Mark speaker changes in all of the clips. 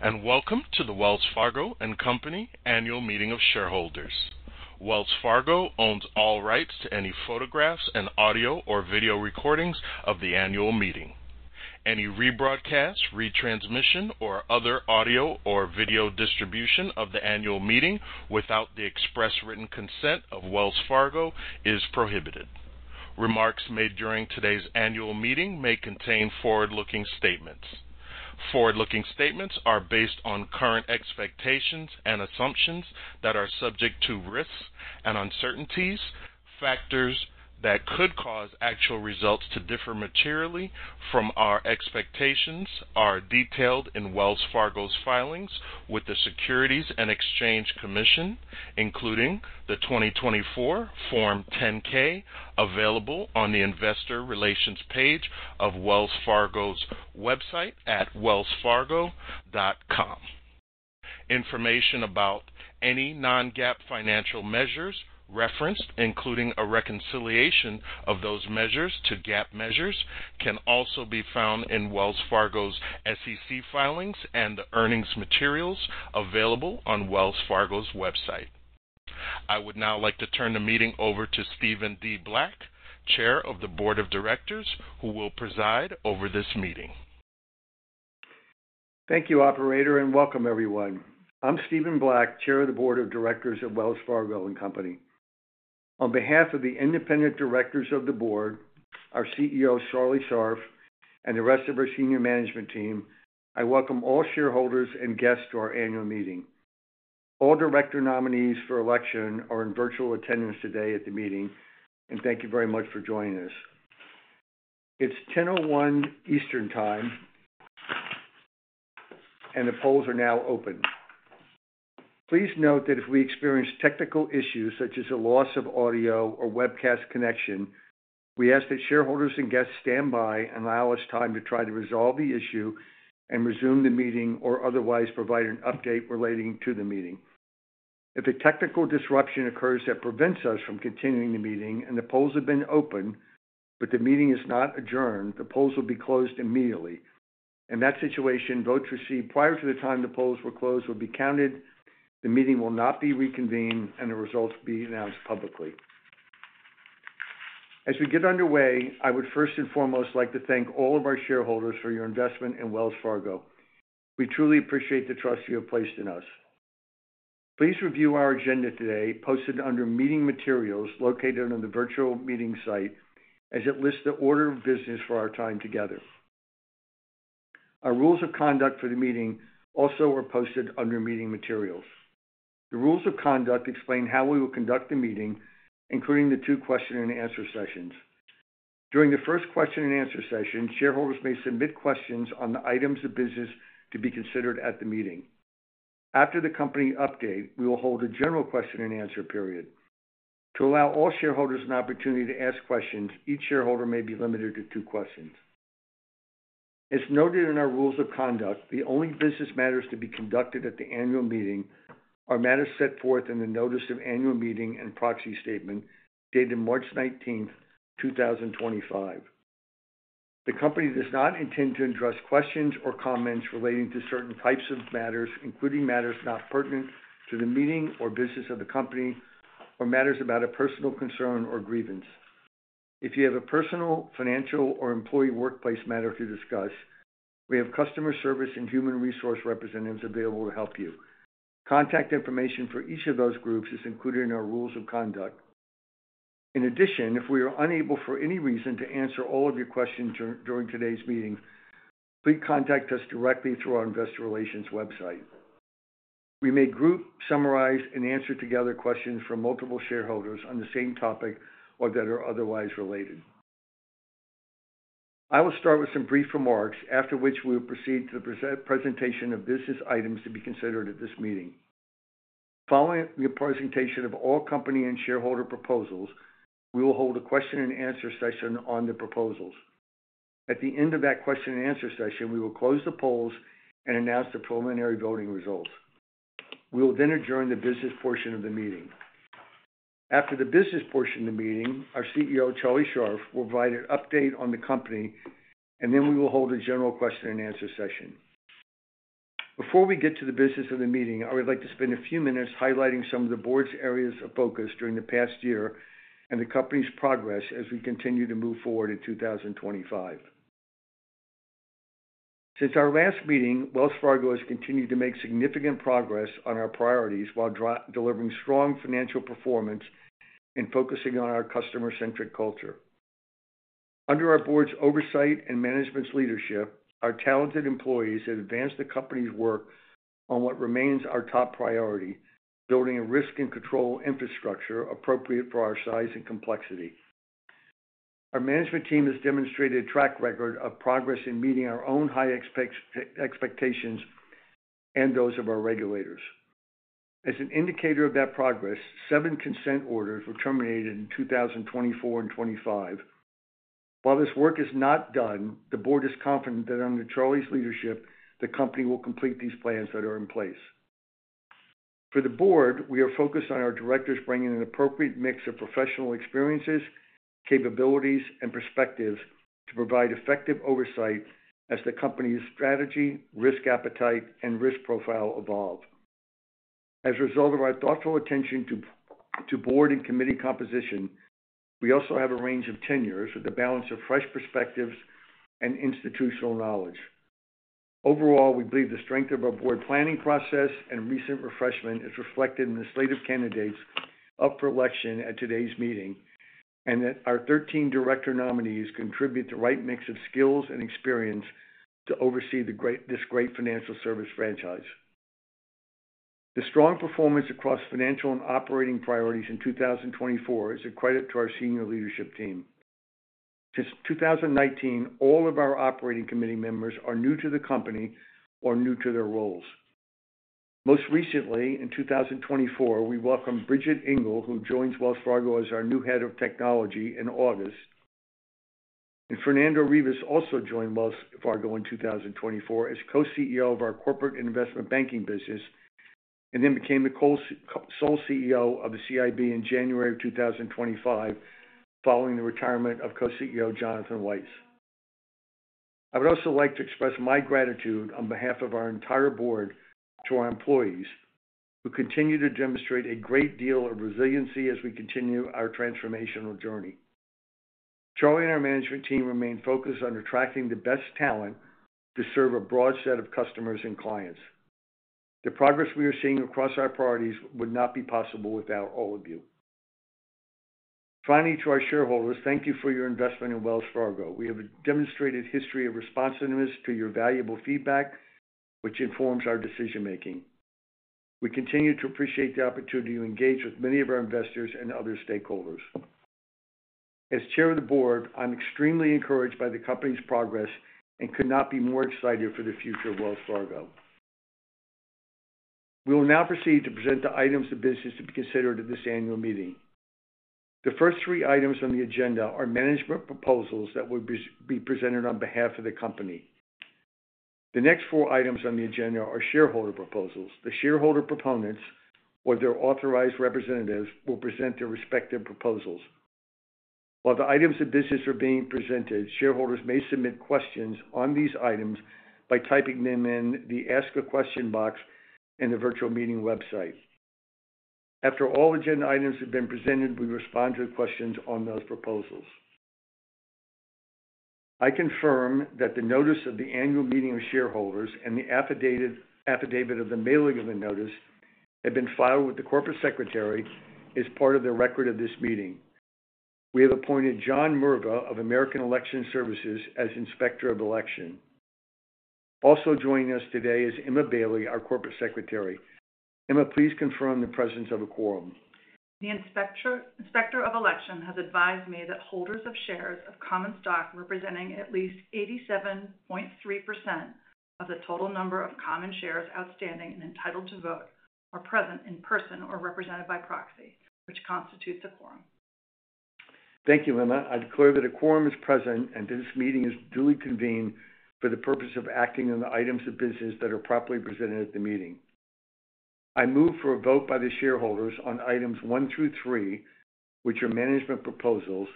Speaker 1: Today, and welcome to the Wells Fargo & Company annual meeting of shareholders. Wells Fargo owns all rights to any photographs and audio or video recordings of the annual meeting. Any rebroadcast, retransmission, or other audio or video distribution of the annual meeting without the express written consent of Wells Fargo is prohibited. Remarks made during today's annual meeting may contain forward-looking statements. Forward-looking statements are based on current expectations and assumptions that are subject to risks and uncertainties. Factors that could cause actual results to differ materially from our expectations are detailed in Wells Fargo's filings with the Securities and Exchange Commission, including the 2024 Form 10-K available on the investor relations page of Wells Fargo's website at wellsfargo.com. Information about any non-GAAP financial measures referenced, including a reconciliation of those measures to GAAP measures, can also be found in Wells Fargo's SEC filings and the earnings materials available on Wells Fargo's website. I would now like to turn the meeting over to Stephen D. Black, Chair of the Board of Directors, who will preside over this meeting.
Speaker 2: Thank you, Operator, and welcome, everyone. I'm Stephen Black, Chair of the Board of Directors of Wells Fargo & Company. On behalf of the independent directors of the board, our CEO, Charlie Scharf, and the rest of our senior management team, I welcome all shareholders and guests to our annual meeting. All director nominees for election are in virtual attendance today at the meeting, and thank you very much for joining us. It's 10:01 A.M. Eastern Time, and the polls are now open. Please note that if we experience technical issues such as a loss of audio or webcast connection, we ask that shareholders and guests stand by and allow us time to try to resolve the issue and resume the meeting or otherwise provide an update relating to the meeting. If a technical disruption occurs that prevents us from continuing the meeting and the polls have been open but the meeting is not adjourned, the polls will be closed immediately. In that situation, votes received prior to the time the polls were closed will be counted, the meeting will not be reconvened, and the results will be announced publicly. As we get underway, I would first and foremost like to thank all of our shareholders for your investment in Wells Fargo. We truly appreciate the trust you have placed in us. Please review our agenda today posted under Meeting Materials located on the virtual meeting site as it lists the order of business for our time together. Our rules of conduct for the meeting also are posted under Meeting Materials. The rules of conduct explain how we will conduct the meeting, including the two question-and-answer sessions. During the first question-and-answer session, shareholders may submit questions on the items of business to be considered at the meeting. After the company update, we will hold a general question-and-answer period. To allow all shareholders an opportunity to ask questions, each shareholder may be limited to two questions. As noted in our rules of conduct, the only business matters to be conducted at the annual meeting are matters set forth in the Notice of Annual Meeting and Proxy Statement dated March 19th, 2025. The company does not intend to address questions or comments relating to certain types of matters, including matters not pertinent to the meeting or business of the company or matters about a personal concern or grievance. If you have a personal, financial, or employee workplace matter to discuss, we have customer service and human resource representatives available to help you. Contact information for each of those groups is included in our rules of conduct. In addition, if we are unable for any reason to answer all of your questions during today's meeting, please contact us directly through our investor relations website. We may group, summarize, and answer together questions from multiple shareholders on the same topic or that are otherwise related. I will start with some brief remarks, after which we will proceed to the presentation of business items to be considered at this meeting. Following the presentation of all company and shareholder proposals, we will hold a question-and-answer session on the proposals. At the end of that question-and-answer session, we will close the polls and announce the preliminary voting results. We will then adjourn the business portion of the meeting. After the business portion of the meeting, our CEO, Charlie Scharf, will provide an update on the company, and then we will hold a general question-and-answer session. Before we get to the business of the meeting, I would like to spend a few minutes highlighting some of the board's areas of focus during the past year and the company's progress as we continue to move forward in 2025. Since our last meeting, Wells Fargo has continued to make significant progress on our priorities while delivering strong financial performance and focusing on our customer-centric culture. Under our board's oversight and management's leadership, our talented employees have advanced the company's work on what remains our top priority: building a risk and control infrastructure appropriate for our size and complexity. Our management team has demonstrated a track record of progress in meeting our own high expectations and those of our regulators. As an indicator of that progress, seven consent orders were terminated in 2024 and 2025. While this work is not done, the board is confident that under Charlie's leadership, the company will complete these plans that are in place. For the board, we are focused on our directors bringing an appropriate mix of professional experiences, capabilities, and perspectives to provide effective oversight as the company's strategy, risk appetite, and risk profile evolve. As a result of our thoughtful attention to board and committee composition, we also have a range of tenures with a balance of fresh perspectives and institutional knowledge. Overall, we believe the strength of our board planning process and recent refreshment is reflected in the slate of candidates up for election at today's meeting and that our 13 director nominees contribute the right mix of skills and experience to oversee this great financial service franchise. The strong performance across financial and operating priorities in 2024 is a credit to our senior leadership team. Since 2019, all of our operating committee members are new to the company or new to their roles. Most recently, in 2024, we welcomed Bridget Engle, who joins Wells Fargo as our new Head of Technology in August. Fernando Rivas also joined Wells Fargo in 2024 as co-CEO of our Corporate Investment Banking business and then became the sole CEO of the CIB in January of 2025 following the retirement of co-CEO Jonathan Weiss. I would also like to express my gratitude on behalf of our entire Board to our employees who continue to demonstrate a great deal of resiliency as we continue our transformational journey. Charlie and our management team remain focused on attracting the best talent to serve a broad set of customers and clients. The progress we are seeing across our priorities would not be possible without all of you. Finally, to our shareholders, thank you for your investment in Wells Fargo. We have demonstrated a history of responsiveness to your valuable feedback, which informs our decision-making. We continue to appreciate the opportunity to engage with many of our investors and other stakeholders. As Chair of the Board, I'm extremely encouraged by the company's progress and could not be more excited for the future of Wells Fargo. We will now proceed to present the items of business to be considered at this annual meeting. The first three items on the agenda are management proposals that will be presented on behalf of the company. The next four items on the agenda are shareholder proposals. The shareholder proponents or their authorized representatives will present their respective proposals. While the items of business are being presented, shareholders may submit questions on these items by typing them in the Ask a Question box in the virtual meeting website. After all agenda items have been presented, we respond to the questions on those proposals. I confirm that the notice of the annual meeting of shareholders and the affidavit of the mailing of the notice have been filed with the corporate secretary as part of the record of this meeting. We have appointed John Murga of American Election Services as inspector of election. Also joining us today is Emma Bailey, our corporate secretary. Emma, please confirm the presence of a quorum.
Speaker 3: The inspector of election has advised me that holders of shares of common stock representing at least 87.3% of the total number of common shares outstanding and entitled to vote are present in person or represented by proxy, which constitutes a quorum.
Speaker 2: Thank you, Emma. I declare that a quorum is present and that this meeting is duly convened for the purpose of acting on the items of business that are properly presented at the meeting. I move for a vote by the shareholders on items one through three, which are management proposals,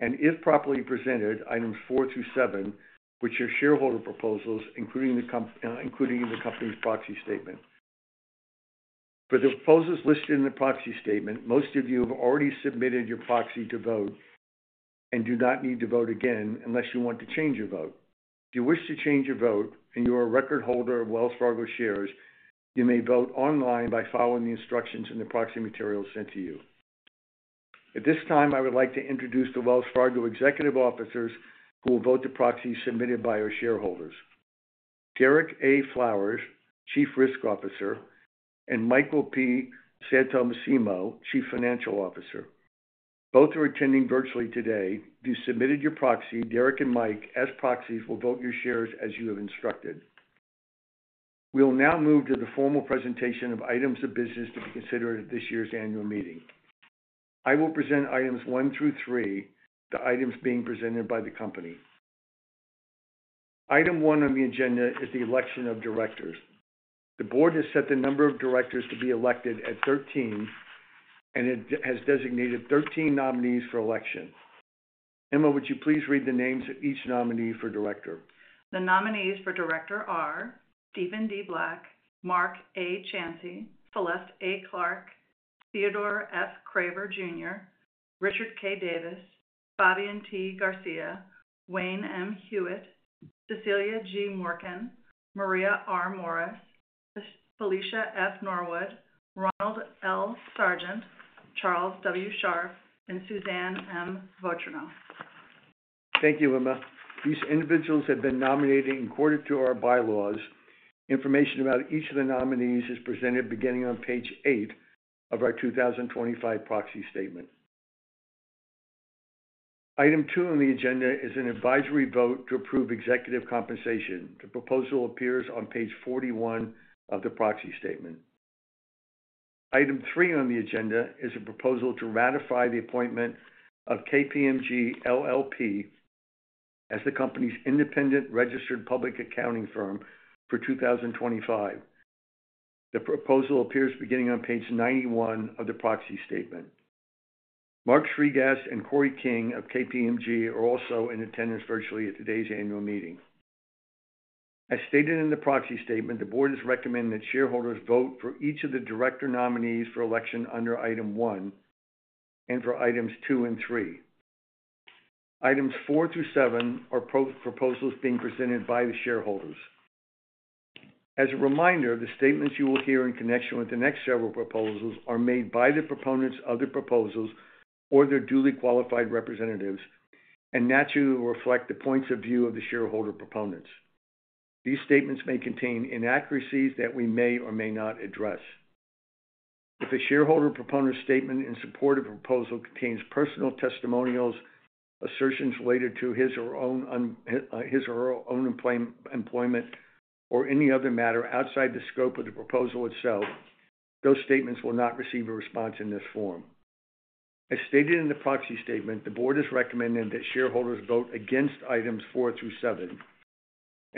Speaker 2: and if properly presented, items four through seven, which are shareholder proposals, including the company's proxy statement. For the proposals listed in the proxy statement, most of you have already submitted your proxy to vote and do not need to vote again unless you want to change your vote. If you wish to change your vote and you are a record holder of Wells Fargo shares, you may vote online by following the instructions in the proxy materials sent to you. At this time, I would like to introduce the Wells Fargo executive officers who will vote the proxy submitted by our shareholders: Derek A. Flowers, Chief Risk Officer, and Michael P. Santomassimo, Chief Financial Officer. Both are attending virtually today. If you submitted your proxy, Derek and Mike, as proxies, will vote your shares as you have instructed. We will now move to the formal presentation of items of business to be considered at this year's annual meeting. I will present items one through three, the items being presented by the company. Item one on the agenda is the election of directors. The board has set the number of directors to be elected at 13, and it has designated 13 nominees for election. Emma, would you please read the names of each nominee for director?
Speaker 3: The nominees for director are Steven D. Black, Mark A. Chancey, Celeste A. Clark, Theodore F. Craver Jr., Richard K. Davis, Fabian T. Garcia, Wayne M. Hewitt, Cecilia G. Morken, Maria R. Morris, Felicia F. Norwood, Ronald L. Sargent, Charles W. Scharf, and Suzanne M. Votrnova.
Speaker 2: Thank you, Emma. These individuals have been nominated and quoted to our bylaws. Information about each of the nominees is presented beginning on page eight of our 2025 proxy statement. Item two on the agenda is an advisory vote to approve executive compensation. The proposal appears on page 41 of the proxy statement. Item three on the agenda is a proposal to ratify the appointment of KPMG LLP as the company's independent registered public accounting firm for 2025. The proposal appears beginning on page 91 of the proxy statement. Mark Sreegas and Corey King of KPMG are also in attendance virtually at today's annual meeting. As stated in the proxy statement, the board has recommended that shareholders vote for each of the director nominees for election under item one and for items two and three. Items four through seven are proposals being presented by the shareholders. As a reminder, the statements you will hear in connection with the next several proposals are made by the proponents of the proposals or their duly qualified representatives and naturally reflect the points of view of the shareholder proponents. These statements may contain inaccuracies that we may or may not address. If a shareholder proponent's statement in support of a proposal contains personal testimonials, assertions related to his or her own employment, or any other matter outside the scope of the proposal itself, those statements will not receive a response in this form. As stated in the proxy statement, the board has recommended that shareholders vote against items four through seven.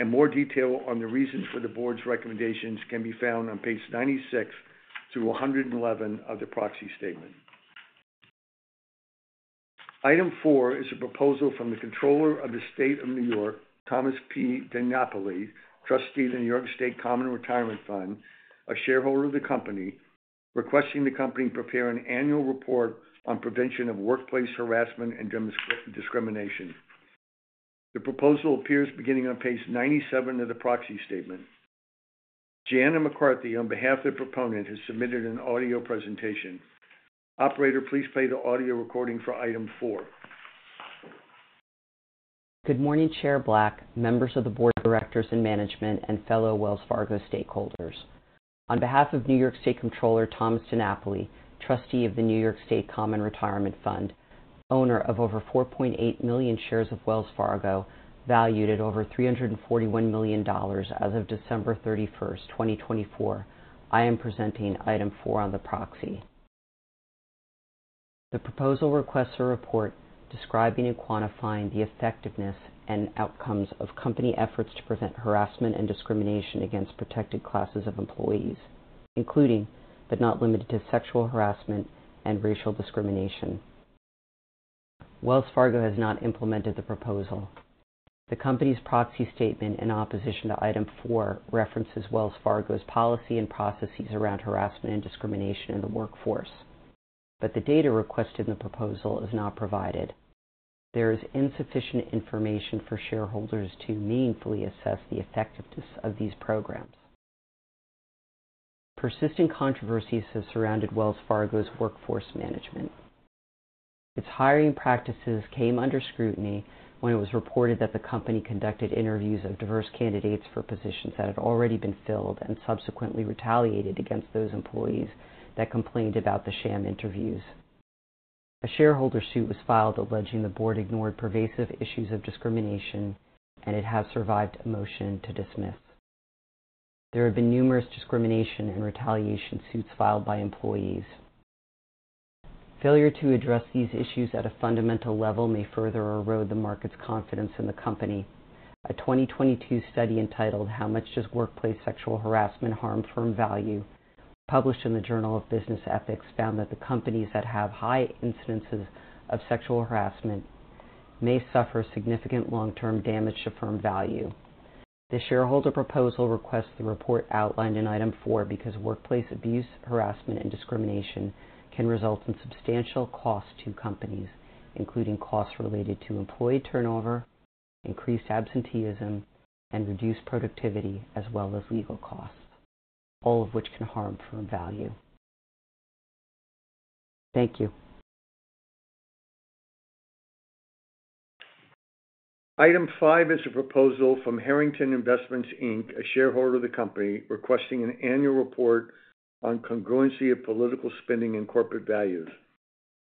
Speaker 2: More detail on the reasons for the board's recommendations can be found on page 96 through 111 of the proxy statement. Item four is a proposal from the Comptroller of the state of New York, Thomas P. DiNapoli, trustee of the New York State Common Retirement Fund, a shareholder of the company, requesting the company prepare an annual report on prevention of workplace harassment and discrimination. The proposal appears beginning on page 97 of the proxy statement. Janet McCarthy, on behalf of the proponent, has submitted an audio presentation. Operator, please play the audio recording for item four.
Speaker 4: Good morning, Chair Black, members of the board of directors and management, and fellow Wells Fargo stakeholders. On behalf of New York State Comptroller Thomas DiNapoli, trustee of the New York State Common Retirement Fund, owner of over 4.8 million shares of Wells Fargo valued at over $341 million as of December 31st, 2024, I am presenting item four on the proxy. The proposal requests a report describing and quantifying the effectiveness and outcomes of company efforts to prevent harassment and discrimination against protected classes of employees, including, but not limited to, sexual harassment and racial discrimination. Wells Fargo has not implemented the proposal. The company's proxy statement in opposition to item four references Wells Fargo's policy and processes around harassment and discrimination in the workforce, but the data requested in the proposal is not provided. There is insufficient information for shareholders to meaningfully assess the effectiveness of these programs. Persistent controversies have surrounded Wells Fargo's workforce management. Its hiring practices came under scrutiny when it was reported that the company conducted interviews of diverse candidates for positions that had already been filled and subsequently retaliated against those employees that complained about the sham interviews. A shareholder suit was filed alleging the board ignored pervasive issues of discrimination, and it has survived a motion to dismiss. There have been numerous discrimination and retaliation suits filed by employees. Failure to address these issues at a fundamental level may further erode the market's confidence in the company. A 2022 study entitled, "How Much Does Workplace Sexual Harassment Harm Firm Value?" published in the Journal of Business Ethics found that the companies that have high incidences of sexual harassment may suffer significant long-term damage to firm value. The shareholder proposal requests the report outlined in item four because workplace abuse, harassment, and discrimination can result in substantial costs to companies, including costs related to employee turnover, increased absenteeism, and reduced productivity, as well as legal costs, all of which can harm firm value. Thank you.
Speaker 2: Item five is a proposal from Harrington Investments, a shareholder of the company, requesting an annual report on congruency of political spending and corporate values.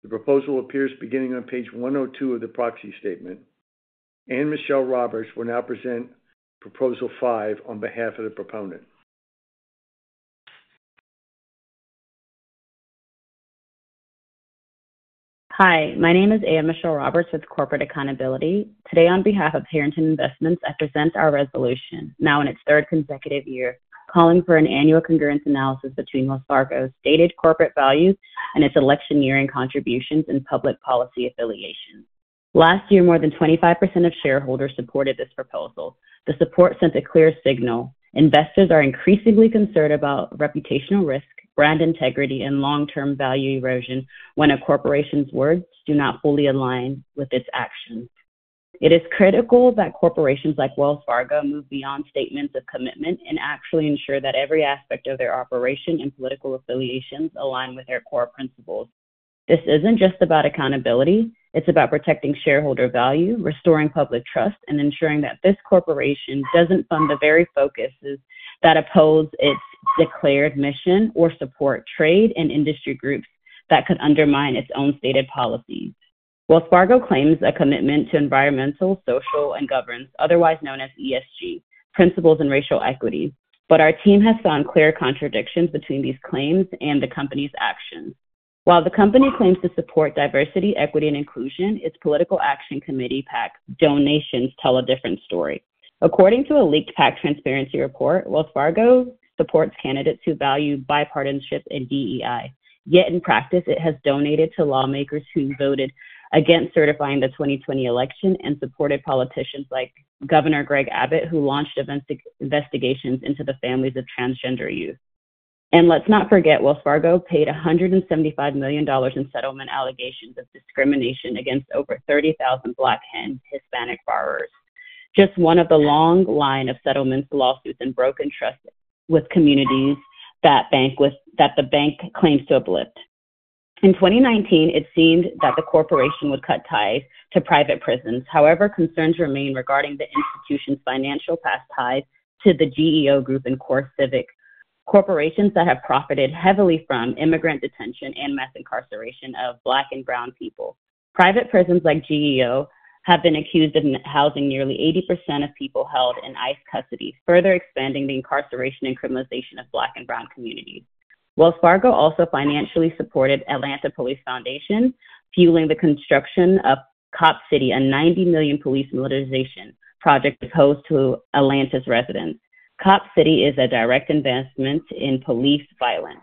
Speaker 2: The proposal appears beginning on page 102 of the proxy statement. Anne Michelle Roberts will now present proposal five on behalf of the proponent.
Speaker 5: Hi. My name is Anne Michelle Roberts with Corporate Accountability. Today, on behalf of Harrington Investments, I present our resolution, now in its third consecutive year, calling for an annual congruence analysis between Wells Fargo's stated corporate values and its election-yearing contributions and public policy affiliation. Last year, more than 25% of shareholders supported this proposal. The support sent a clear signal. Investors are increasingly concerned about reputational risk, brand integrity, and long-term value erosion when a corporation's words do not fully align with its actions. It is critical that corporations like Wells Fargo move beyond statements of commitment and actually ensure that every aspect of their operation and political affiliations align with their core principles. This isn't just about accountability. It's about protecting shareholder value, restoring public trust, and ensuring that this corporation doesn't fund the very focuses that oppose its declared mission or support trade and industry groups that could undermine its own stated policies. Wells Fargo claims a commitment to environmental, social, and governance, otherwise known as ESG, principles and racial equity. Our team has found clear contradictions between these claims and the company's actions. While the company claims to support diversity, equity, and inclusion, its political action committee PAC donations tell a different story. According to a leaked PAC transparency report, Wells Fargo supports candidates who value bipartisanship and DEI. Yet in practice, it has donated to lawmakers who voted against certifying the 2020 election and supported politicians like Governor Greg Abbott, who launched investigations into the families of transgender youth. Let's not forget, Wells Fargo paid $175 million in settlement allegations of discrimination against over 30,000 Black and Hispanic borrowers, just one of the long line of settlements, lawsuits, and broken trusts with communities that the bank claims to uplift. In 2019, it seemed that the corporation would cut ties to private prisons. However, concerns remain regarding the institution's financial ties to the GEO Group and CoreCivic, corporations that have profited heavily from immigrant detention and mass incarceration of Black and Brown people. Private prisons like GEO have been accused of housing nearly 80% of people held in ICE custody, further expanding the incarceration and criminalization of Black and Brown communities. Wells Fargo also financially supported Atlanta Police Foundation, fueling the construction of COP City, a $90 million police militarization project proposed to Atlanta's residents. COP City is a direct investment in police violence.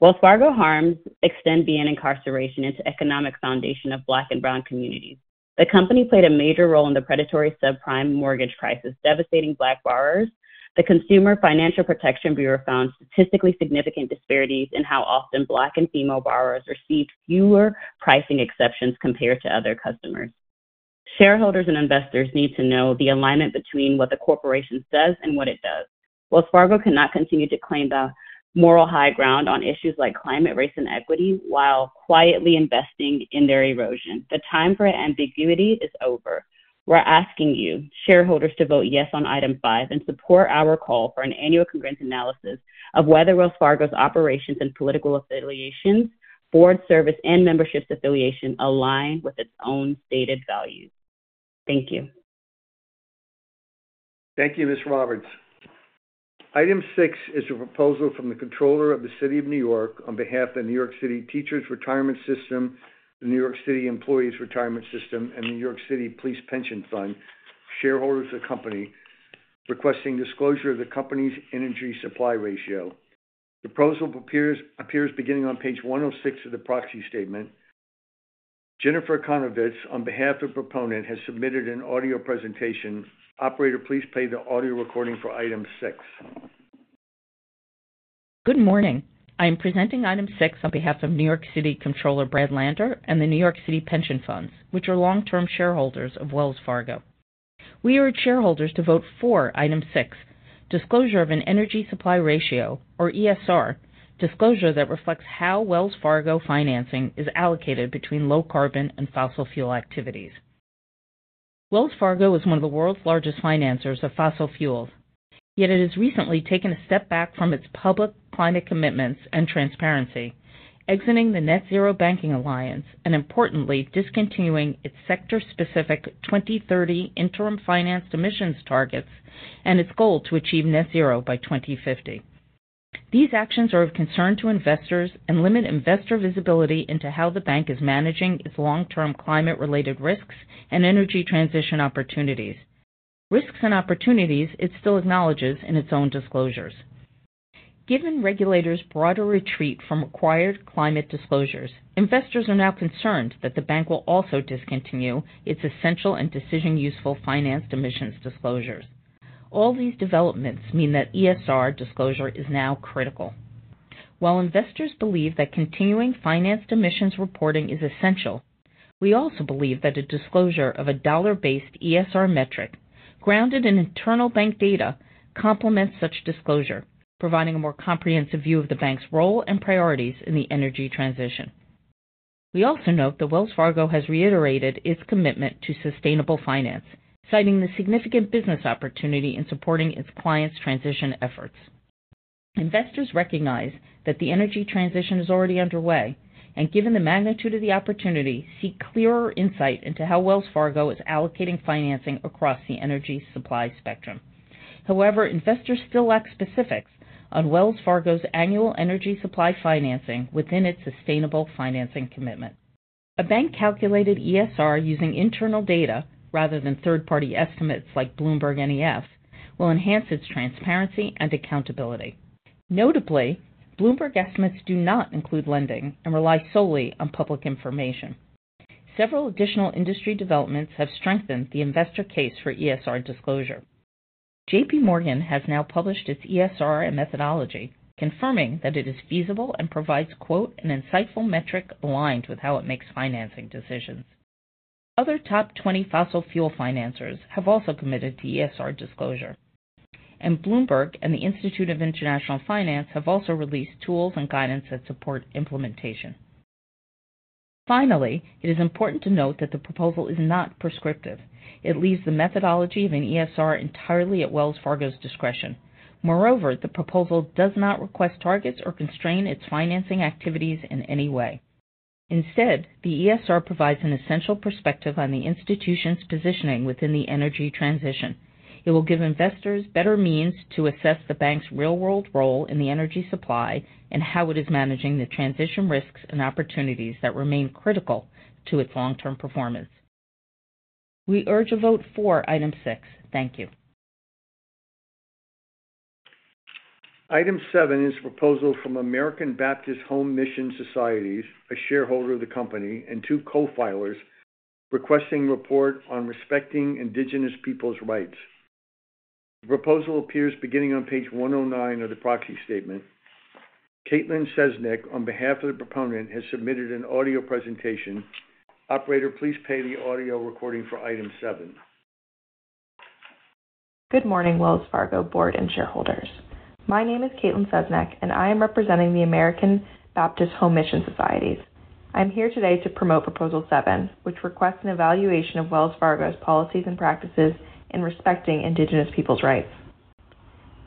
Speaker 5: Wells Fargo harms extend beyond incarceration into the economic foundation of Black and Brown communities. The company played a major role in the predatory subprime mortgage crisis, devastating Black borrowers. The Consumer Financial Protection Bureau found statistically significant disparities in how often Black and female borrowers received fewer pricing exceptions compared to other customers. Shareholders and investors need to know the alignment between what the corporation says and what it does. Wells Fargo cannot continue to claim the moral high ground on issues like climate, race, and equity while quietly investing in their erosion. The time for ambiguity is over. We're asking you, shareholders, to vote yes on item five and support our call for an annual congruence analysis of whether Wells Fargo's operations and political affiliations, board service, and membership affiliation align with its own stated values. Thank you.
Speaker 2: Thank you, Ms. Roberts. Item six is a proposal from the Comptroller of the City of New York on behalf of the New York City Teachers' Retirement System, the New York City Employees' Retirement System, and the New York City Police Pension Fund, shareholders of the company, requesting disclosure of the company's energy supply ratio. The proposal appears beginning on page 106 of the proxy statement. Jennifer Konovitz, on behalf of the proponent, has submitted an audio presentation. Operator, please play the audio recording for item six.
Speaker 4: Good morning. I am presenting item six on behalf of New York City Comptroller Brad Lander and the New York City Pension Funds, which are long-term shareholders of Wells Fargo. We urge shareholders to vote for item six, disclosure of an energy supply ratio, or ESR, disclosure that reflects how Wells Fargo financing is allocated between low carbon and fossil fuel activities. Wells Fargo is one of the world's largest financers of fossil fuels, yet it has recently taken a step back from its public climate commitments and transparency, exiting the Net-Zero Banking Alliance and, importantly, discontinuing its sector-specific 2030 interim finance emissions targets and its goal to achieve net-zero by 2050. These actions are of concern to investors and limit investor visibility into how the bank is managing its long-term climate-related risks and energy transition opportunities. Risks and opportunities it still acknowledges in its own disclosures. Given regulators' broader retreat from required climate disclosures, investors are now concerned that the bank will also discontinue its essential and decision-useful finance emissions disclosures. All these developments mean that ESR disclosure is now critical. While investors believe that continuing finance emissions reporting is essential, we also believe that a disclosure of a dollar-based ESR metric grounded in internal bank data complements such disclosure, providing a more comprehensive view of the bank's role and priorities in the energy transition. We also note that Wells Fargo has reiterated its commitment to sustainable finance, citing the significant business opportunity in supporting its clients' transition efforts. Investors recognize that the energy transition is already underway, and given the magnitude of the opportunity, seek clearer insight into how Wells Fargo is allocating financing across the energy supply spectrum. However, investors still lack specifics on Wells Fargo's annual energy supply financing within its sustainable financing commitment. A bank calculated ESR using internal data rather than third-party estimates like Bloomberg NEF will enhance its transparency and accountability. Notably, Bloomberg estimates do not include lending and rely solely on public information. Several additional industry developments have strengthened the investor case for ESR disclosure. JP Morgan has now published its ESR and methodology, confirming that it is feasible and provides, "An insightful metric aligned with how it makes financing decisions." Other top 20 fossil fuel financers have also committed to ESR disclosure, and Bloomberg and the Institute of International Finance have also released tools and guidance that support implementation. Finally, it is important to note that the proposal is not prescriptive. It leaves the methodology of an ESR entirely at Wells Fargo's discretion. Moreover, the proposal does not request targets or constrain its financing activities in any way. Instead, the ESR provides an essential perspective on the institution's positioning within the energy transition. It will give investors better means to assess the bank's real-world role in the energy supply and how it is managing the transition risks and opportunities that remain critical to its long-term performance. We urge a vote for item six. Thank you.
Speaker 2: Item seven is a proposal from American Baptist Home Mission Societies, a shareholder of the company, and two co-filers requesting a report on respecting Indigenous people's rights. The proposal appears beginning on page 109 of the proxy statement. Caitlyn Sesnik, on behalf of the proponent, has submitted an audio presentation. Operator, please play the audio recording for item seven.
Speaker 4: Good morning, Wells Fargo board and shareholders. My name is Caitlyn Sesnik, and I am representing the American Baptist Home Mission Societies. I'm here today to promote proposal seven, which requests an evaluation of Wells Fargo's policies and practices in respecting Indigenous people's rights.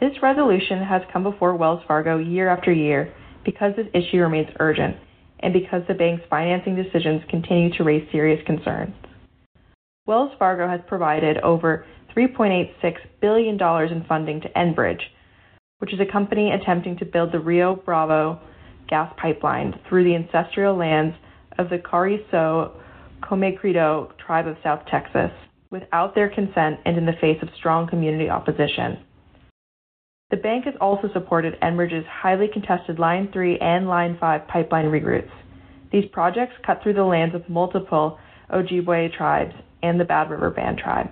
Speaker 4: This resolution has come before Wells Fargo year after year because this issue remains urgent and because the bank's financing decisions continue to raise serious concerns. Wells Fargo has provided over $3.86 billion in funding to Enbridge, which is a company attempting to build the Rio Bravo gas pipeline through the ancestral lands of the Carrizo Comecrudo tribe of South Texas, without their consent and in the face of strong community opposition. The bank has also supported Enbridge's highly contested Line 3 and Line 5 pipeline re-routes. These projects cut through the lands of multiple Ojibwe tribes and the Bad River Band tribe.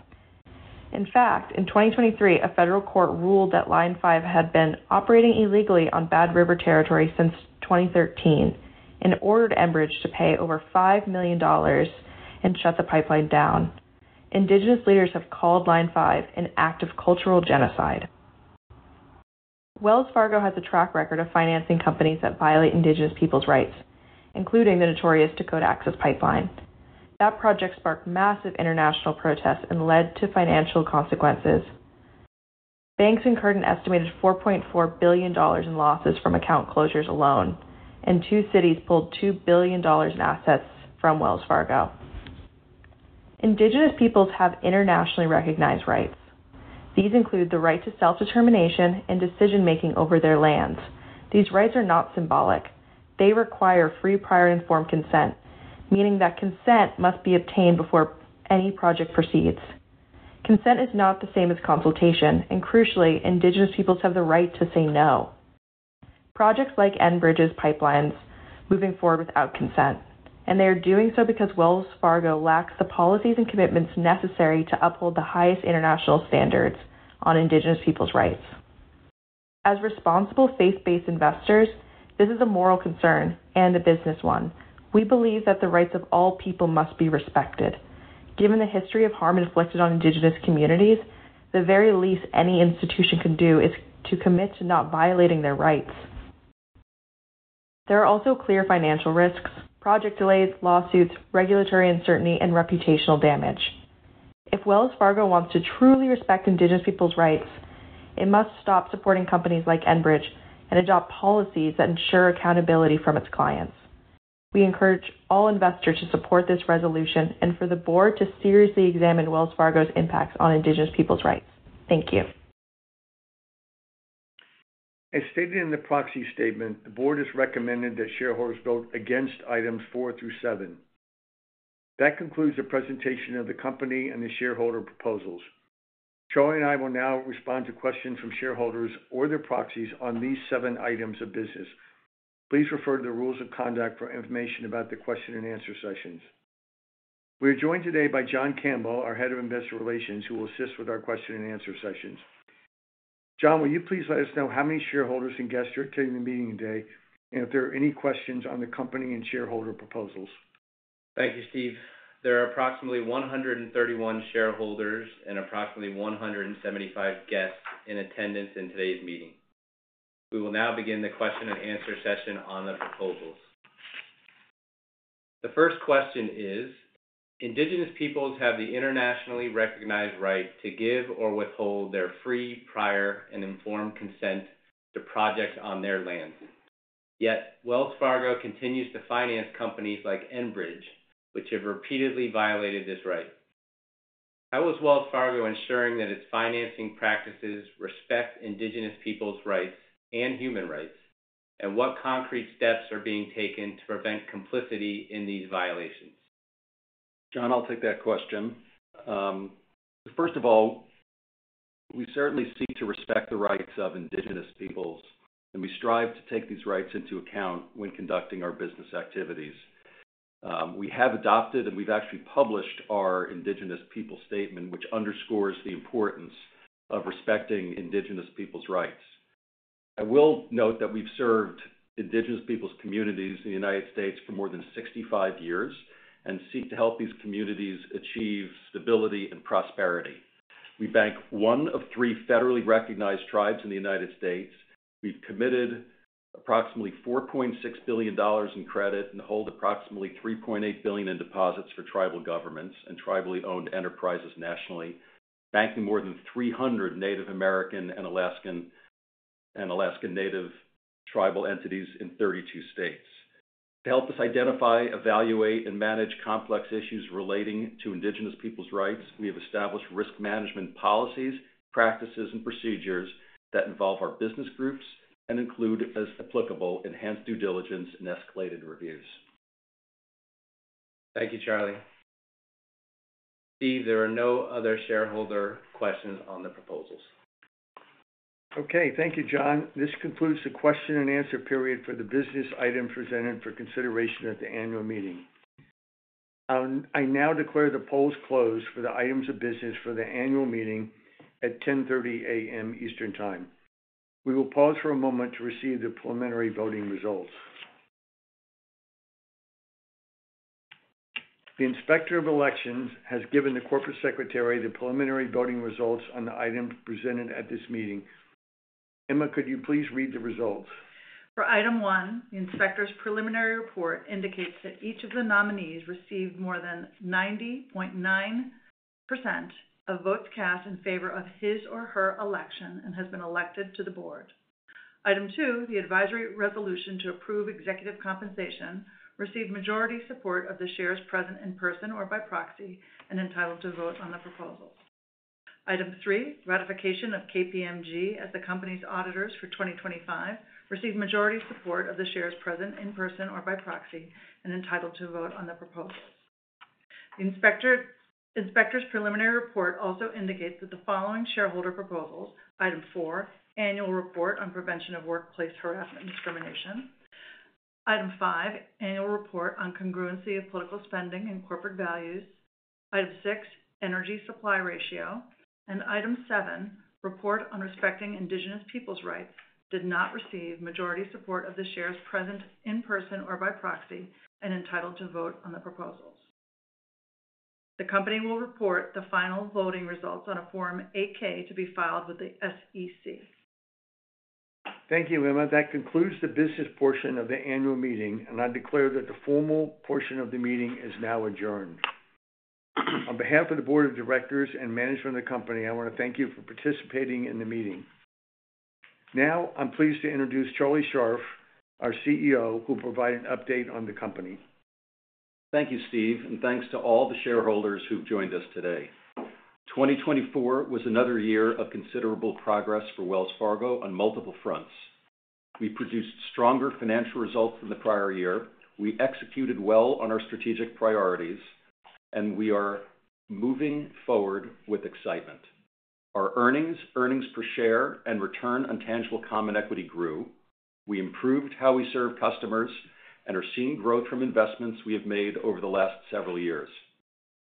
Speaker 4: In fact, in 2023, a federal court ruled that Line 5 had been operating illegally on Bad River territory since 2013 and ordered Enbridge to pay over $5 million and shut the pipeline down. Indigenous leaders have called Line 5 an act of cultural genocide. Wells Fargo has a track record of financing companies that violate Indigenous people's rights, including the notorious Dakota Access Pipeline. That project sparked massive international protests and led to financial consequences. Banks incurred an estimated $4.4 billion in losses from account closures alone, and two cities pulled $2 billion in assets from Wells Fargo. Indigenous peoples have internationally recognized rights. These include the right to self-determination and decision-making over their lands. These rights are not symbolic. They require free, prior-informed consent, meaning that consent must be obtained before any project proceeds. Consent is not the same as consultation, and crucially, Indigenous peoples have the right to say no. Projects like Enbridge's pipelines move forward without consent, and they are doing so because Wells Fargo lacks the policies and commitments necessary to uphold the highest international standards on Indigenous people's rights. As responsible faith-based investors, this is a moral concern and a business one. We believe that the rights of all people must be respected. Given the history of harm inflicted on Indigenous communities, the very least any institution can do is to commit to not violating their rights. There are also clear financial risks: project delays, lawsuits, regulatory uncertainty, and reputational damage. If Wells Fargo wants to truly respect Indigenous people's rights, it must stop supporting companies like Enbridge and adopt policies that ensure accountability from its clients. We encourage all investors to support this resolution and for the board to seriously examine Wells Fargo's impacts on Indigenous people's rights. Thank you.
Speaker 2: As stated in the proxy statement, the board has recommended that shareholders vote against items four through seven. That concludes the presentation of the company and the shareholder proposals. Charlie and I will now respond to questions from shareholders or their proxies on these seven items of business. Please refer to the rules of conduct for information about the question-and-answer sessions. We are joined today by John Campbell, our Head of Investor Relations, who will assist with our question-and-answer sessions. John, will you please let us know how many shareholders and guests are attending the meeting today and if there are any questions on the company and shareholder proposals?
Speaker 6: Thank you, Steve. There are approximately 131 shareholders and approximately 175 guests in attendance in today's meeting. We will now begin the question-and-answer session on the proposals. The first question is, "Indigenous peoples have the internationally recognized right to give or withhold their free, prior, and informed consent to projects on their lands. Yet Wells Fargo continues to finance companies like Enbridge, which have repeatedly violated this right. How is Wells Fargo ensuring that its financing practices respect Indigenous people's rights and human rights, and what concrete steps are being taken to prevent complicity in these violations?
Speaker 7: John, I'll take that question. First of all, we certainly seek to respect the rights of Indigenous peoples, and we strive to take these rights into account when conducting our business activities. We have adopted and we've actually published our Indigenous people statement, which underscores the importance of respecting Indigenous people's rights. I will note that we've served Indigenous people's communities in the United States for more than 65 years and seek to help these communities achieve stability and prosperity. We bank one of three federally recognized tribes in the United States. We've committed approximately $4.6 billion in credit and hold approximately $3.8 billion in deposits for tribal governments and tribally-owned enterprises nationally, banking more than 300 Native American and Alaskan Native tribal entities in 32 states. To help us identify, evaluate, and manage complex issues relating to Indigenous people's rights, we have established risk management policies, practices, and procedures that involve our business groups and include, as applicable, enhanced due diligence and escalated reviews.
Speaker 6: Thank you, Charlie. Steve, there are no other shareholder questions on the proposals.
Speaker 2: Okay. Thank you, John. This concludes the question-and-answer period for the business item presented for consideration at the annual meeting. I now declare the polls closed for the items of business for the annual meeting at 10:30 A.M. Eastern Time. We will pause for a moment to receive the preliminary voting results. The inspector of elections has given the corporate secretary the preliminary voting results on the items presented at this meeting. Emma, could you please read the results?
Speaker 3: For item one, the inspector's preliminary report indicates that each of the nominees received more than 90.9% of votes cast in favor of his or her election and has been elected to the board. Item two, the advisory resolution to approve executive compensation received majority support of the shares present in person or by proxy and entitled to vote on the proposals. Item three, ratification of KPMG as the company's auditors for 2025 received majority support of the shares present in person or by proxy and entitled to vote on the proposals. The inspector's preliminary report also indicates that the following shareholder proposals: item four, annual report on prevention of workplace harassment and discrimination; item five, annual report on congruency of political spending and corporate values; item six, energy supply ratio; and item seven, report on respecting Indigenous people's rights, did not receive majority support of the shares present in person or by proxy and entitled to vote on the proposals. The company will report the final voting results on a Form 8-K to be filed with the SEC.
Speaker 2: Thank you, Emma. That concludes the business portion of the annual meeting, and I declare that the formal portion of the meeting is now adjourned. On behalf of the board of directors and management of the company, I want to thank you for participating in the meeting. Now, I'm pleased to introduce Charlie Scharf, our CEO, who will provide an update on the company.
Speaker 7: Thank you, Steve, and thanks to all the shareholders who've joined us today. 2024 was another year of considerable progress for Wells Fargo on multiple fronts. We produced stronger financial results than the prior year. We executed well on our strategic priorities, and we are moving forward with excitement. Our earnings, earnings per share, and return on tangible common equity grew. We improved how we serve customers and are seeing growth from investments we have made over the last several years.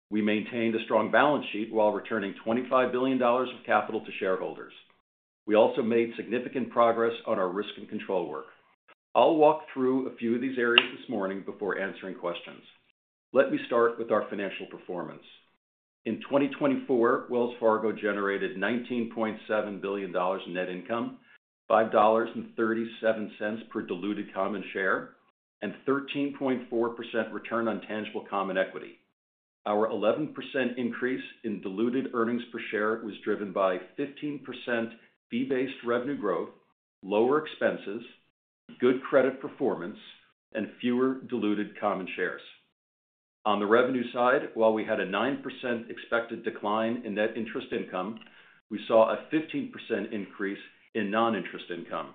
Speaker 7: We maintained a strong balance sheet while returning $25 billion of capital to shareholders. We also made significant progress on our risk and control work. I'll walk through a few of these areas this morning before answering questions. Let me start with our financial performance. In 2024, Wells Fargo generated $19.7 billion net income, $5.37 per diluted common share, and 13.4% return on tangible common equity. Our 11% increase in diluted earnings per share was driven by 15% fee-based revenue growth, lower expenses, good credit performance, and fewer diluted common shares. On the revenue side, while we had a 9% expected decline in net interest income, we saw a 15% increase in non-interest income.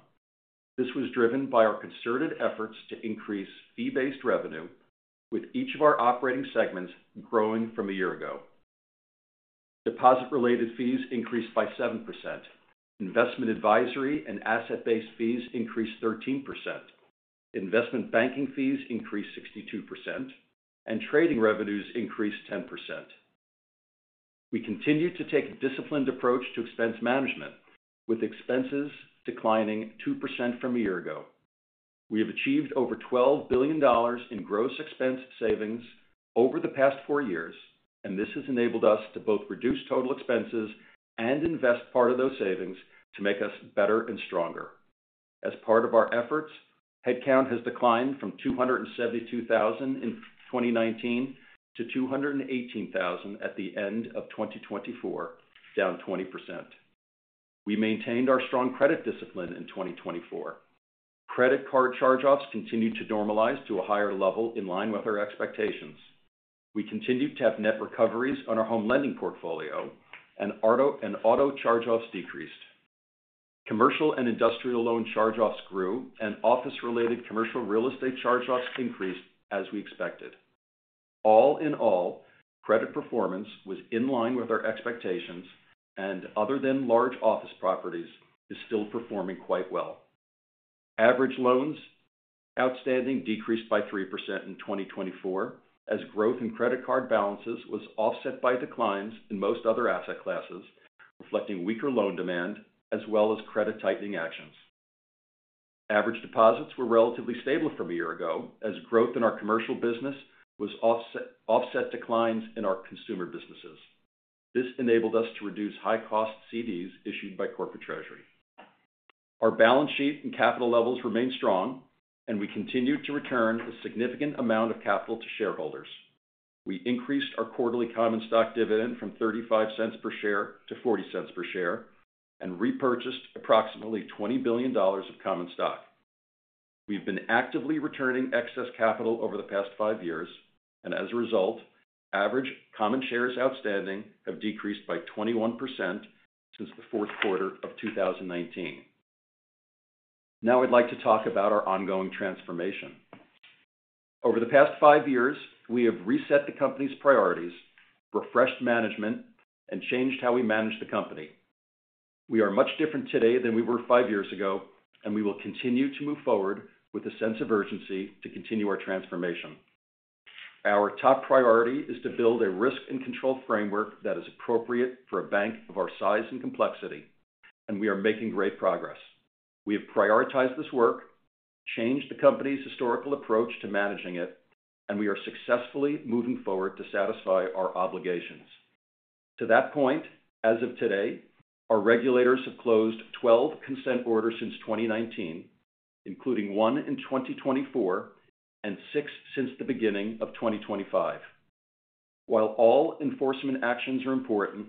Speaker 7: This was driven by our concerted efforts to increase fee-based revenue, with each of our operating segments growing from a year ago. Deposit-related fees increased by 7%. Investment advisory and asset-based fees increased 13%. Investment banking fees increased 62%, and trading revenues increased 10%. We continue to take a disciplined approach to expense management, with expenses declining 2% from a year ago. We have achieved over $12 billion in gross expense savings over the past four years, and this has enabled us to both reduce total expenses and invest part of those savings to make us better and stronger. As part of our efforts, headcount has declined from 272,000 in 2019 to 218,000 at the end of 2024, down 20%. We maintained our strong credit discipline in 2024. Credit card charge-offs continued to normalize to a higher level in line with our expectations. We continued to have net recoveries on our home lending portfolio, and auto charge-offs decreased. Commercial and industrial loan charge-offs grew, and office-related commercial real estate charge-offs increased as we expected. All in all, credit performance was in line with our expectations, and other than large office properties, is still performing quite well. Average loans outstanding decreased by 3% in 2024 as growth in credit card balances was offset by declines in most other asset classes, reflecting weaker loan demand as well as credit-tightening actions. Average deposits were relatively stable from a year ago as growth in our commercial business was offset declines in our consumer businesses. This enabled us to reduce high-cost CDs issued by corporate treasury. Our balance sheet and capital levels remained strong, and we continued to return a significant amount of capital to shareholders. We increased our quarterly common stock dividend from $0.35 per share to $0.40 per share and repurchased approximately $20 billion of common stock. We've been actively returning excess capital over the past five years, and as a result, average common shares outstanding have decreased by 21% since the fourth quarter of 2019. Now, I'd like to talk about our ongoing transformation. Over the past five years, we have reset the company's priorities, refreshed management, and changed how we manage the company. We are much different today than we were five years ago, and we will continue to move forward with a sense of urgency to continue our transformation. Our top priority is to build a risk and control framework that is appropriate for a bank of our size and complexity, and we are making great progress. We have prioritized this work, changed the company's historical approach to managing it, and we are successfully moving forward to satisfy our obligations. To that point, as of today, our regulators have closed 12 consent orders since 2019, including one in 2024 and six since the beginning of 2025. While all enforcement actions are important,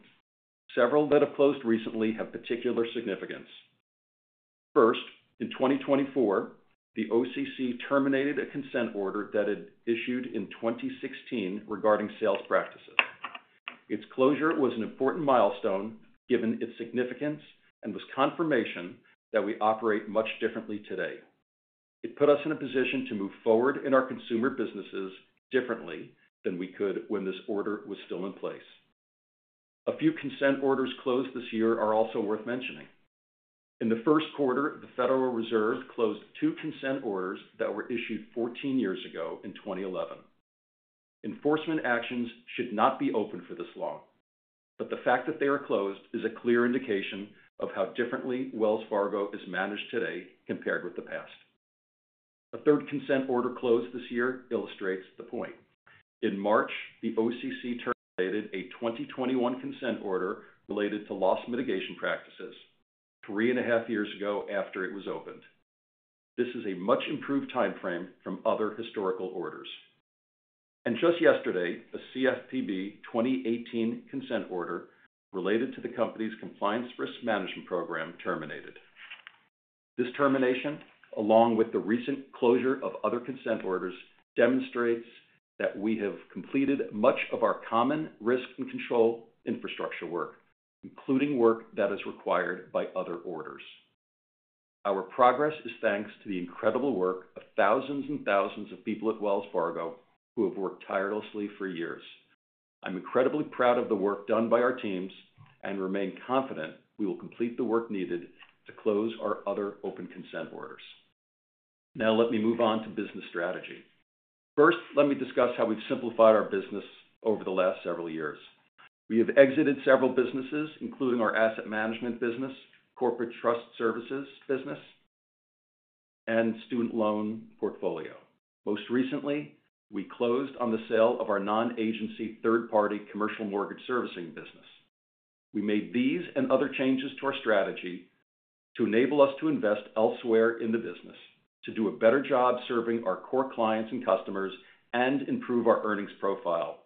Speaker 7: several that have closed recently have particular significance. First, in 2024, the OCC terminated a consent order that had issued in 2016 regarding sales practices. Its closure was an important milestone given its significance and was confirmation that we operate much differently today. It put us in a position to move forward in our consumer businesses differently than we could when this order was still in place. A few consent orders closed this year are also worth mentioning. In the first quarter, the Federal Reserve closed two consent orders that were issued 14 years ago in 2011. Enforcement actions should not be open for this long, but the fact that they are closed is a clear indication of how differently Wells Fargo is managed today compared with the past. A third consent order closed this year illustrates the point. In March, the OCC terminated a 2021 consent order related to loss mitigation practices three and a half years ago after it was opened. This is a much improved timeframe from other historical orders. Just yesterday, a CFPB 2018 consent order related to the company's compliance risk management program terminated. This termination, along with the recent closure of other consent orders, demonstrates that we have completed much of our common risk and control infrastructure work, including work that is required by other orders. Our progress is thanks to the incredible work of thousands and thousands of people at Wells Fargo who have worked tirelessly for years. I'm incredibly proud of the work done by our teams and remain confident we will complete the work needed to close our other open consent orders. Now, let me move on to business strategy. First, let me discuss how we've simplified our business over the last several years. We have exited several businesses, including our asset management business, corporate trust services business, and student loan portfolio. Most recently, we closed on the sale of our non-agency third-party commercial mortgage servicing business. We made these and other changes to our strategy to enable us to invest elsewhere in the business, to do a better job serving our core clients and customers, and improve our earnings profile.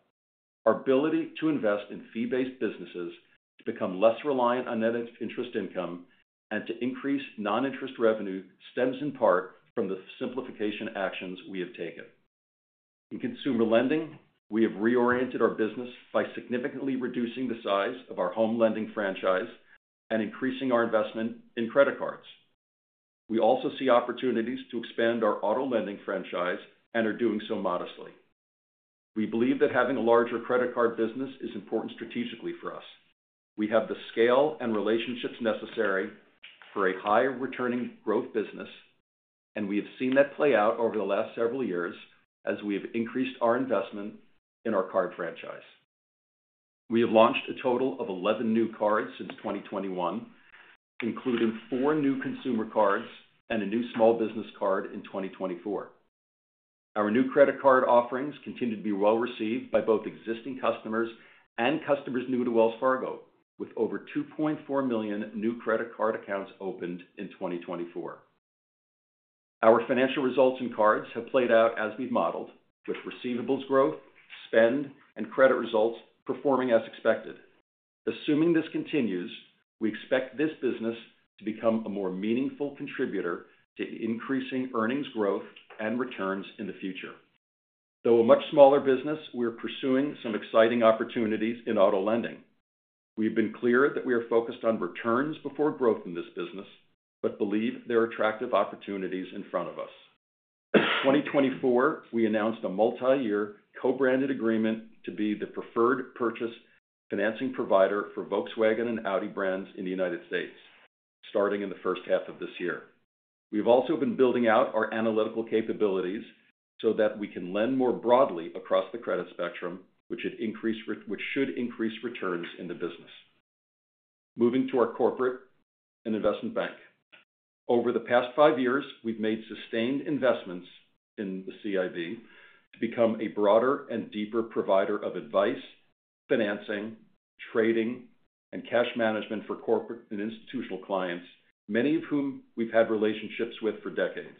Speaker 7: Our ability to invest in fee-based businesses, to become less reliant on net interest income, and to increase non-interest revenue stems in part from the simplification actions we have taken. In consumer lending, we have reoriented our business by significantly reducing the size of our home lending franchise and increasing our investment in credit cards. We also see opportunities to expand our auto lending franchise and are doing so modestly. We believe that having a larger credit card business is important strategically for us. We have the scale and relationships necessary for a high-returning growth business, and we have seen that play out over the last several years as we have increased our investment in our card franchise. We have launched a total of 11 new cards since 2021, including four new consumer cards and a new small business card in 2024. Our new credit card offerings continue to be well received by both existing customers and customers new to Wells Fargo, with over 2.4 million new credit card accounts opened in 2024. Our financial results and cards have played out as we've modeled, with receivables growth, spend, and credit results performing as expected. Assuming this continues, we expect this business to become a more meaningful contributor to increasing earnings growth and returns in the future. Though a much smaller business, we are pursuing some exciting opportunities in auto lending. We've been clear that we are focused on returns before growth in this business, but believe there are attractive opportunities in front of us. In 2024, we announced a multi-year co-branded agreement to be the preferred purchase financing provider for Volkswagen and Audi brands in the United States, starting in the first half of this year. We've also been building out our analytical capabilities so that we can lend more broadly across the credit spectrum, which should increase returns in the business. Moving to our corporate and investment bank. Over the past five years, we've made sustained investments in the CIB to become a broader and deeper provider of advice, financing, trading, and cash management for corporate and institutional clients, many of whom we've had relationships with for decades.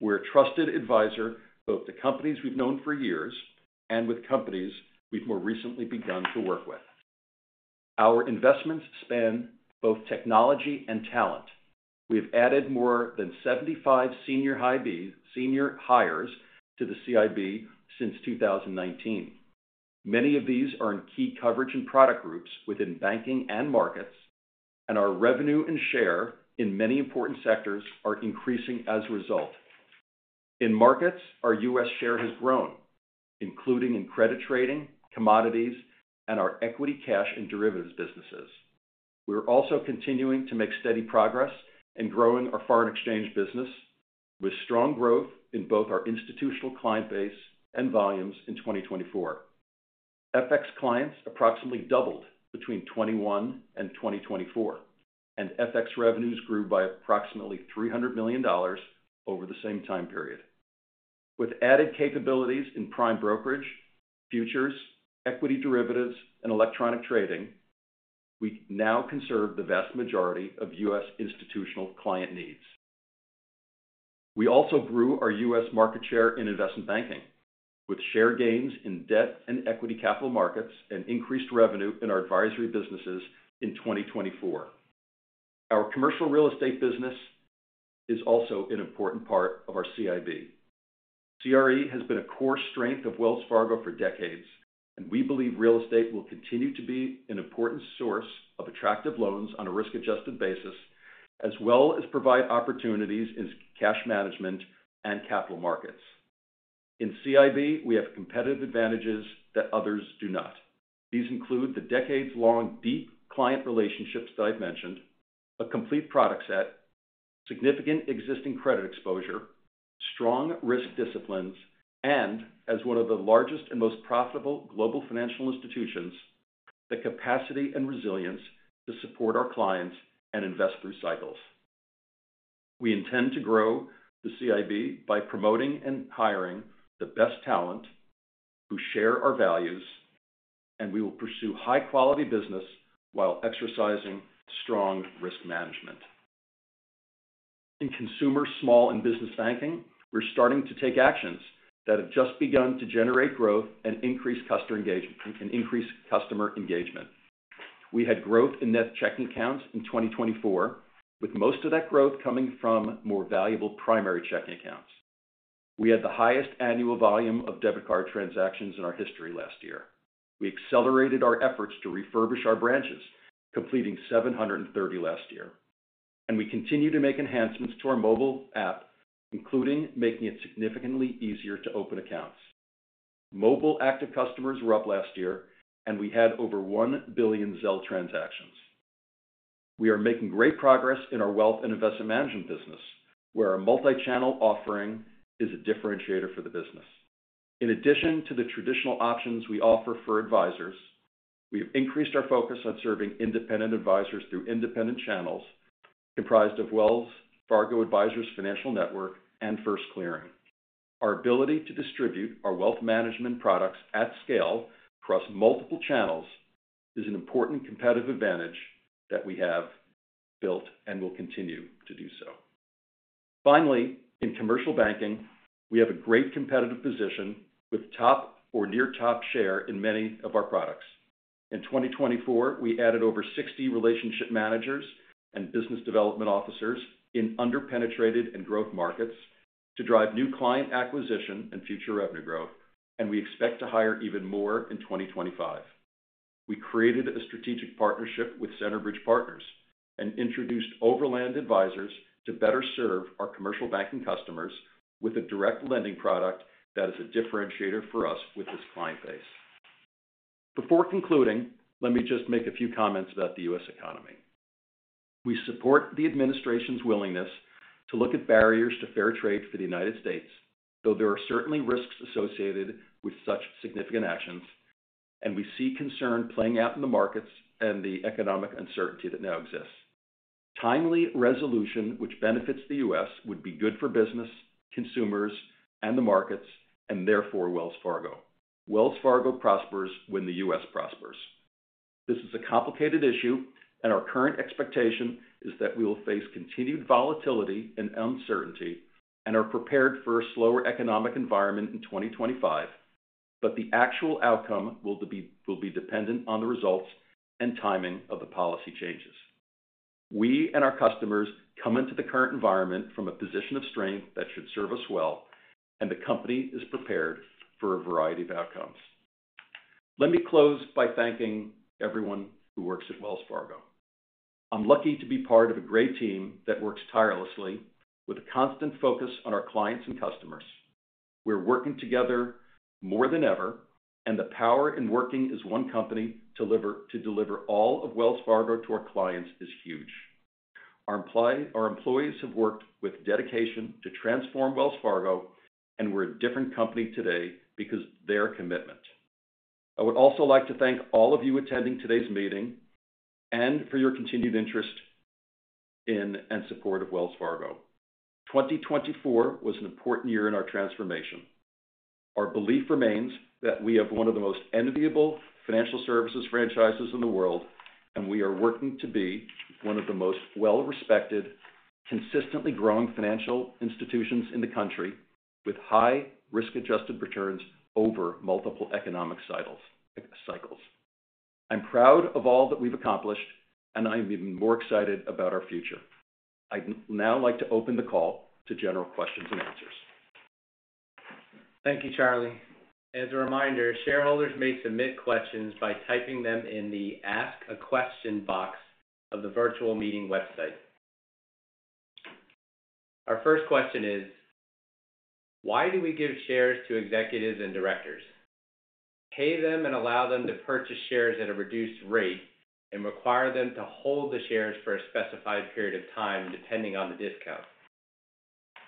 Speaker 7: We're a trusted advisor both to companies we've known for years and with companies we've more recently begun to work with. Our investments span both technology and talent. We have added more than 75 senior hires to the CIB since 2019. Many of these are in key coverage and product groups within banking and markets, and our revenue and share in many important sectors are increasing as a result. In markets, our U.S. share has grown, including in credit trading, commodities, and our equity, cash, and derivatives businesses. We are also continuing to make steady progress and growing our foreign exchange business with strong growth in both our institutional client base and volumes in 2024. FX clients approximately doubled between 2021 and 2024, and FX revenues grew by approximately $300 million over the same time period. With added capabilities in prime brokerage, futures, equity derivatives, and electronic trading, we now can serve the vast majority of U.S. institutional client needs. We also grew our U.S. Market share in investment banking, with share gains in debt and equity capital markets and increased revenue in our advisory businesses in 2024. Our commercial real estate business is also an important part of our CIB. CRE has been a core strength of Wells Fargo for decades, and we believe real estate will continue to be an important source of attractive loans on a risk-adjusted basis, as well as provide opportunities in cash management and capital markets. In CIB, we have competitive advantages that others do not. These include the decades-long deep client relationships that I've mentioned, a complete product set, significant existing credit exposure, strong risk disciplines, and, as one of the largest and most profitable global financial institutions, the capacity and resilience to support our clients and invest through cycles. We intend to grow the CIB by promoting and hiring the best talent who share our values, and we will pursue high-quality business while exercising strong risk management. In consumer small and business banking, we're starting to take actions that have just begun to generate growth and increase customer engagement. We had growth in net checking accounts in 2024, with most of that growth coming from more valuable primary checking accounts. We had the highest annual volume of debit card transactions in our history last year. We accelerated our efforts to refurbish our branches, completing 730 last year. We continue to make enhancements to our mobile app, including making it significantly easier to open accounts. Mobile active customers were up last year, and we had over 1 billion Zelle transactions. We are making great progress in our wealth and investment management business, where our multi-channel offering is a differentiator for the business. In addition to the traditional options we offer for advisors, we have increased our focus on serving independent advisors through independent channels comprised of Wells Fargo Advisors Financial Network and First Clearing. Our ability to distribute our wealth management products at scale across multiple channels is an important competitive advantage that we have built and will continue to do so. Finally, in commercial banking, we have a great competitive position with top or near top share in many of our products. In 2024, we added over 60 relationship managers and business development officers in under-penetrated and growth markets to drive new client acquisition and future revenue growth, and we expect to hire even more in 2025. We created a strategic partnership with Centerbridge Partners and introduced Overland Advisors to better serve our commercial banking customers with a direct lending product that is a differentiator for us with this client base. Before concluding, let me just make a few comments about the U.S. economy. We support the administration's willingness to look at barriers to fair trade for the United States, though there are certainly risks associated with such significant actions, and we see concern playing out in the markets and the economic uncertainty that now exists. Timely resolution, which benefits the U.S., would be good for business, consumers, and the markets, and therefore Wells Fargo. Wells Fargo prospers when the U.S. prospers. This is a complicated issue, and our current expectation is that we will face continued volatility and uncertainty and are prepared for a slower economic environment in 2025, but the actual outcome will be dependent on the results and timing of the policy changes. We and our customers come into the current environment from a position of strength that should serve us well, and the company is prepared for a variety of outcomes. Let me close by thanking everyone who works at Wells Fargo. I'm lucky to be part of a great team that works tirelessly with a constant focus on our clients and customers. We're working together more than ever, and the power in working as one company to deliver all of Wells Fargo to our clients is huge. Our employees have worked with dedication to transform Wells Fargo, and we're a different company today because of their commitment. I would also like to thank all of you attending today's meeting and for your continued interest in and support of Wells Fargo. 2024 was an important year in our transformation. Our belief remains that we have one of the most enviable financial services franchises in the world, and we are working to be one of the most well-respected, consistently growing financial institutions in the country with high risk-adjusted returns over multiple economic cycles. I'm proud of all that we've accomplished, and I'm even more excited about our future. I'd now like to open the call to general questions and answers.
Speaker 6: Thank you, Charlie. As a reminder, shareholders may submit questions by typing them in the Ask a Question box of the virtual meeting website. Our first question is, why do we give shares to executives and directors? Pay them and allow them to purchase shares at a reduced rate and require them to hold the shares for a specified period of time depending on the discount.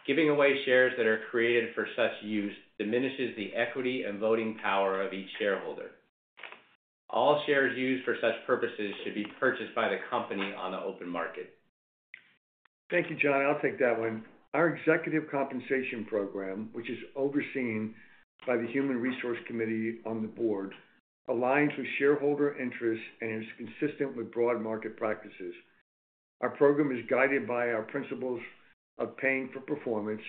Speaker 6: Giving away shares that are created for such use diminishes the equity and voting power of each shareholder. All shares used for such purposes should be purchased by the company on the open market.
Speaker 2: Thank you, John. I'll take that one. Our executive compensation program, which is overseen by the Human Resource Committee on the board, aligns with shareholder interests and is consistent with broad market practices. Our program is guided by our principles of paying for performance,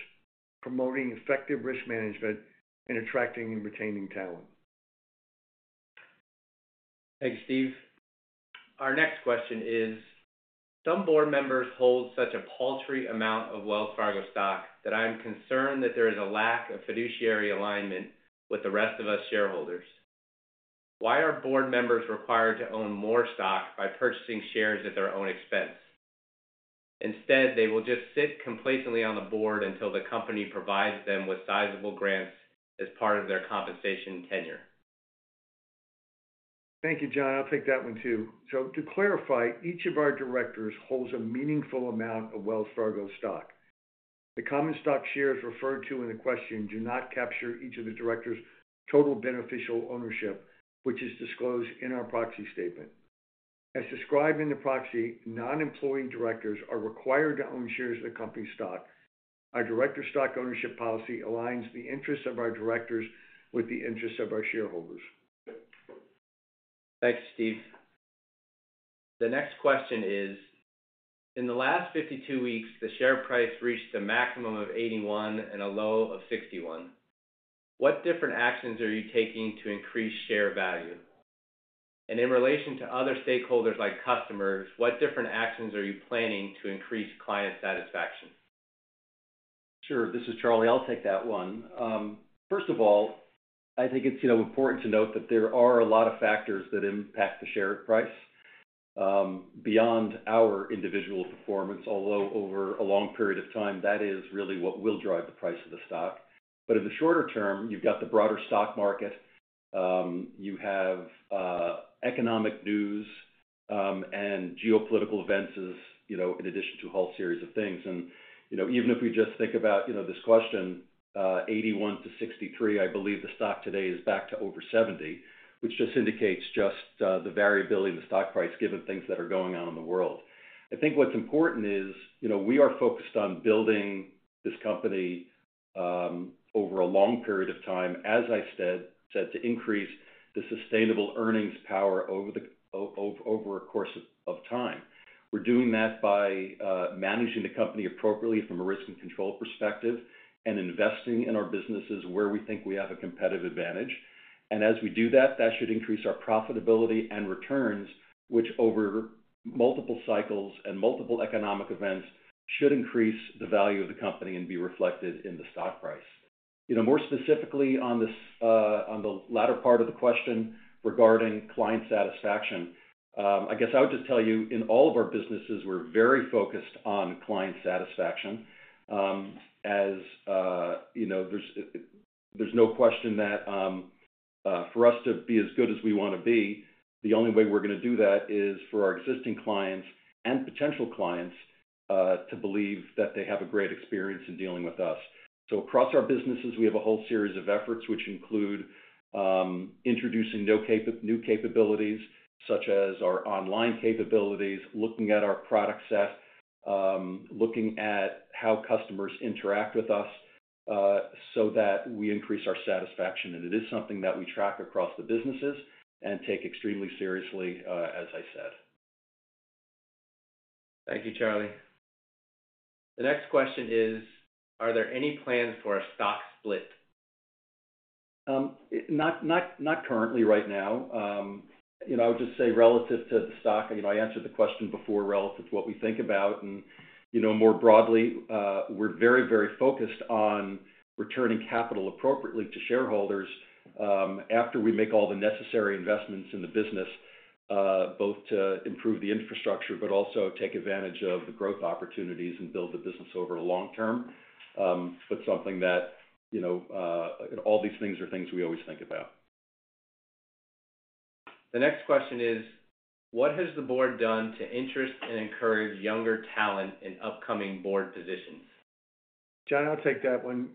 Speaker 2: promoting effective risk management, and attracting and retaining talent.
Speaker 6: Thanks, Steve. Our next question is, some board members hold such a paltry amount of Wells Fargo stock that I am concerned that there is a lack of fiduciary alignment with the rest of us shareholders. Why are board members required to own more stock by purchasing shares at their own expense? Instead, they will just sit complacently on the board until the company provides them with sizable grants as part of their compensation tenure.
Speaker 2: Thank you, John. I'll take that one too. To clarify, each of our directors holds a meaningful amount of Wells Fargo stock. The common stock shares referred to in the question do not capture each of the directors' total beneficial ownership, which is disclosed in our proxy statement. As described in the proxy, non-employee directors are required to own shares of the company's stock. Our director stock ownership policy aligns the interests of our directors with the interests of our shareholders.
Speaker 6: Thanks, Steve. The next question is, in the last 52 weeks, the share price reached a maximum of $81 and a low of $61. What different actions are you taking to increase share value? In relation to other stakeholders like customers, what different actions are you planning to increase client satisfaction?
Speaker 7: Sure, this is Charlie. I'll take that one. First of all, I think it's important to note that there are a lot of factors that impact the share price beyond our individual performance, although over a long period of time, that is really what will drive the price of the stock. In the shorter term, you've got the broader stock market, you have economic news, and geopolitical events in addition to a whole series of things. Even if we just think about this question, 81 to 63, I believe the stock today is back to over $70, which just indicates the variability in the stock price given things that are going on in the world. I think what's important is we are focused on building this company over a long period of time, as I said, to increase the sustainable earnings power over a course of time. We're doing that by managing the company appropriately from a risk and control perspective and investing in our businesses where we think we have a competitive advantage. As we do that, that should increase our profitability and returns, which over multiple cycles and multiple economic events should increase the value of the company and be reflected in the stock price. More specifically on the latter part of the question regarding client satisfaction, I guess I would just tell you in all of our businesses, we're very focused on client satisfaction. As there's no question that for us to be as good as we want to be, the only way we're going to do that is for our existing clients and potential clients to believe that they have a great experience in dealing with us. Across our businesses, we have a whole series of efforts, which include introducing new capabilities such as our online capabilities, looking at our product set, looking at how customers interact with us so that we increase our satisfaction. It is something that we track across the businesses and take extremely seriously, as I said.
Speaker 6: Thank you, Charlie. The next question is, are there any plans for a stock split?
Speaker 7: Not currently right now. I would just say relative to the stock, I answered the question before relative to what we think about. More broadly, we're very, very focused on returning capital appropriately to shareholders after we make all the necessary investments in the business, both to improve the infrastructure, but also take advantage of the growth opportunities and build the business over the long term. Something that all these things are things we always think about.
Speaker 6: The next question is, what has the board done to interest and encourage younger talent in upcoming board positions?
Speaker 7: John, I'll take that one.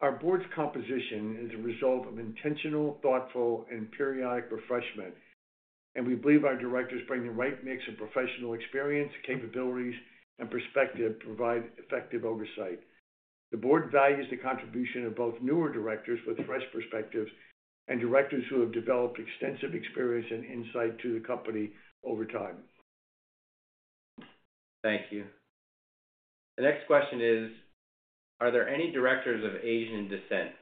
Speaker 7: Our board's composition is a result of intentional, thoughtful, and periodic refreshment. We believe our directors bring the right mix of professional experience, capabilities, and perspective to provide effective oversight. The board values the contribution of both newer directors with fresh perspectives and directors who have developed extensive experience and insight to the company over time.
Speaker 6: Thank you. The next question is, are there any directors of Asian descent?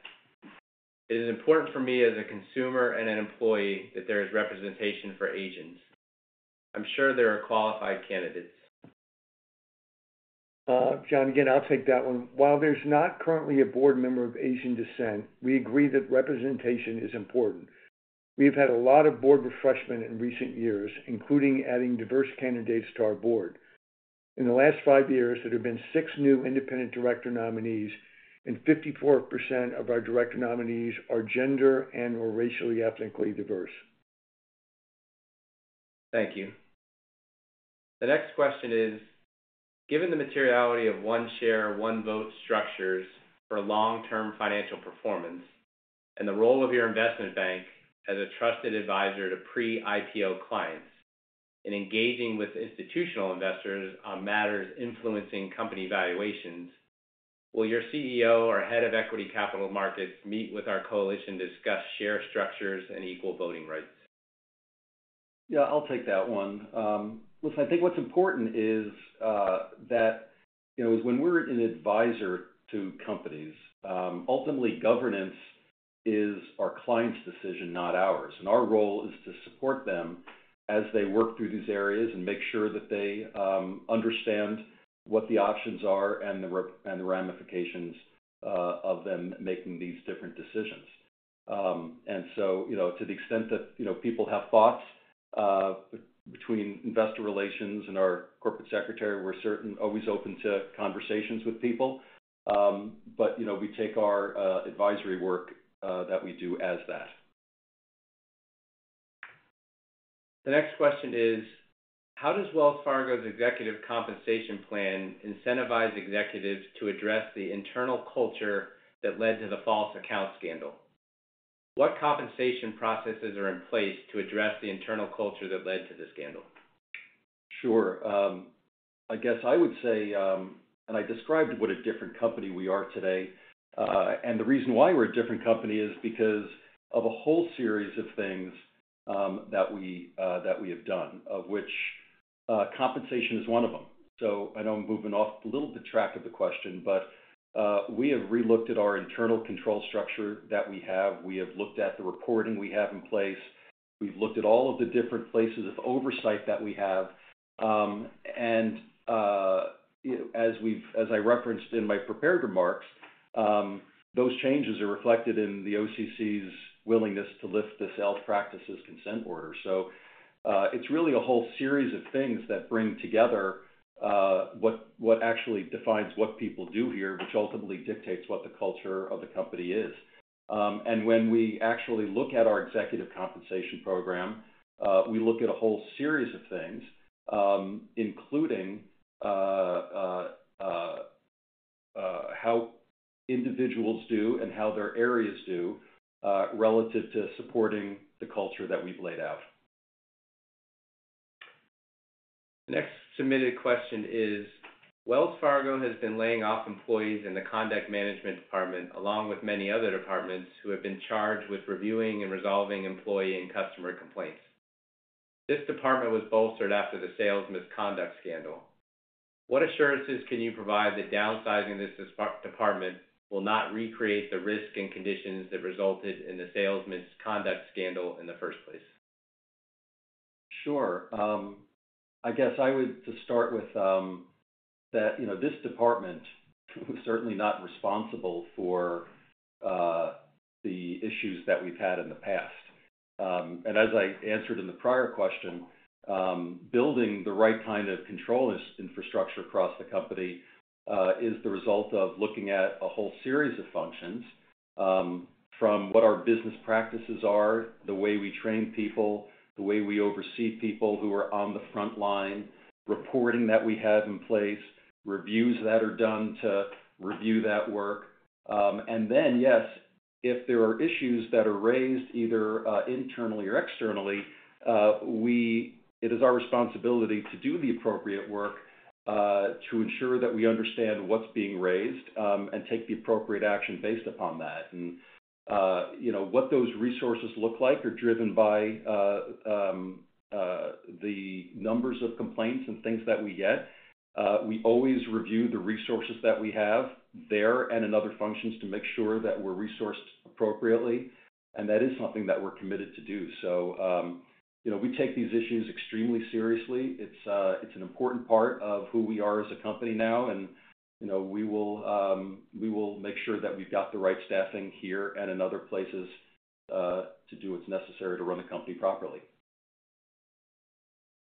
Speaker 6: It is important for me as a consumer and an employee that there is representation for Asians. I'm sure there are qualified candidates.
Speaker 7: John, again, I'll take that one. While there's not currently a board member of Asian descent, we agree that representation is important. We have had a lot of board refreshment in recent years, including adding diverse candidates to our board. In the last five years, there have been six new independent director nominees, and 54% of our director nominees are gender and/or racially ethnically diverse.
Speaker 6: Thank you. The next question is, given the materiality of one-share, one-vote structures for long-term financial performance and the role of your investment bank as a trusted advisor to pre-IPO clients in engaging with institutional investors on matters influencing company valuations, will your CEO or head of equity capital markets meet with our coalition to discuss share structures and equal voting rights?
Speaker 7: Yeah, I'll take that one. Listen, I think what's important is that when we're an advisor to companies, ultimately, governance is our client's decision, not ours. Our role is to support them as they work through these areas and make sure that they understand what the options are and the ramifications of them making these different decisions. To the extent that people have thoughts between investor relations and our corporate secretary, we're always open to conversations with people. We take our advisory work that we do as that.
Speaker 6: The next question is, how does Wells Fargo's executive compensation plan incentivize executives to address the internal culture that led to the false account scandal? What compensation processes are in place to address the internal culture that led to the scandal?
Speaker 7: Sure. I guess I would say, I described what a different company we are today. The reason why we're a different company is because of a whole series of things that we have done, of which compensation is one of them. I know I'm moving off a little bit track of the question, but we have re-looked at our internal control structure that we have. We have looked at the reporting we have in place. We've looked at all of the different places of oversight that we have. As I referenced in my prepared remarks, those changes are reflected in the OCC's willingness to lift this self practices consent order. It is really a whole series of things that bring together what actually defines what people do here, which ultimately dictates what the culture of the company is. When we actually look at our executive compensation program, we look at a whole series of things, including how individuals do and how their areas do relative to supporting the culture that we have laid out.
Speaker 6: The next submitted question is, Wells Fargo has been laying off employees in the conduct management department, along with many other departments who have been charged with reviewing and resolving employee and customer complaints. This department was bolstered after the sales misconduct scandal. What assurances can you provide that downsizing this department will not recreate the risk and conditions that resulted in the sales misconduct scandal in the first place?
Speaker 7: Sure. I guess I would just start with that this department is certainly not responsible for the issues that we've had in the past. As I answered in the prior question, building the right kind of control infrastructure across the company is the result of looking at a whole series of functions from what our business practices are, the way we train people, the way we oversee people who are on the front line, reporting that we have in place, reviews that are done to review that work. Yes, if there are issues that are raised either internally or externally, it is our responsibility to do the appropriate work to ensure that we understand what's being raised and take the appropriate action based upon that. What those resources look like are driven by the numbers of complaints and things that we get. We always review the resources that we have there and in other functions to make sure that we're resourced appropriately. That is something that we're committed to do. We take these issues extremely seriously. It's an important part of who we are as a company now. We will make sure that we've got the right staffing here and in other places to do what's necessary to run the company properly.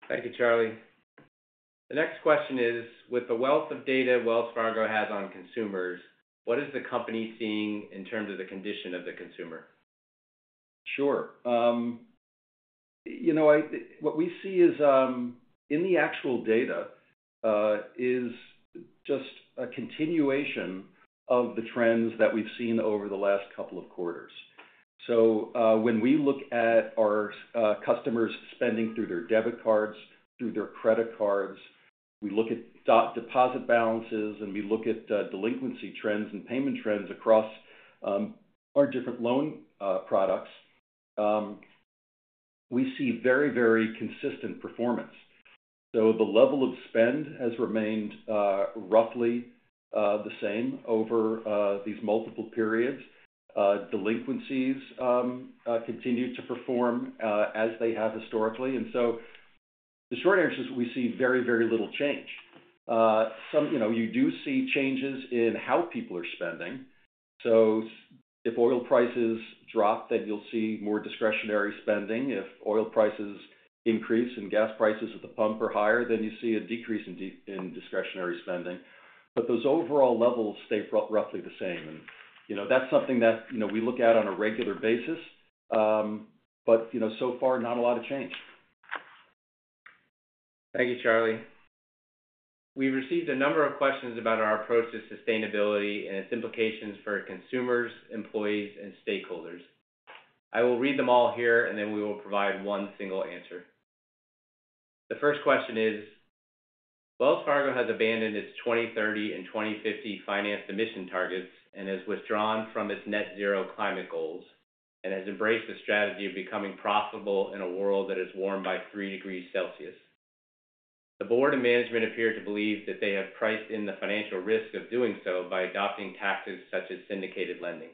Speaker 6: Thank you, Charlie. The next question is, with the wealth of data Wells Fargo has on consumers, what is the company seeing in terms of the condition of the consumer?
Speaker 7: Sure. What we see in the actual data is just a continuation of the trends that we've seen over the last couple of quarters. When we look at our customers spending through their debit cards, through their credit cards, we look at deposit balances, and we look at delinquency trends and payment trends across our different loan products, we see very, very consistent performance. The level of spend has remained roughly the same over these multiple periods. Delinquencies continue to perform as they have historically. The short answer is we see very, very little change. You do see changes in how people are spending. If oil prices drop, then you'll see more discretionary spending. If oil prices increase and gas prices at the pump are higher, you see a decrease in discretionary spending. Those overall levels stay roughly the same. That is something that we look at on a regular basis. So far, not a lot of change.
Speaker 6: Thank you, Charlie. We have received a number of questions about our approach to sustainability and its implications for consumers, employees, and stakeholders. I will read them all here, and then we will provide one single answer. The first question is, Wells Fargo has abandoned its 2030 and 2050 finance emission targets and has withdrawn from its net zero climate goals and has embraced the strategy of becoming profitable in a world that is warmed by three degrees Celsius. The board and management appear to believe that they have priced in the financial risk of doing so by adopting tactics such as syndicated lending.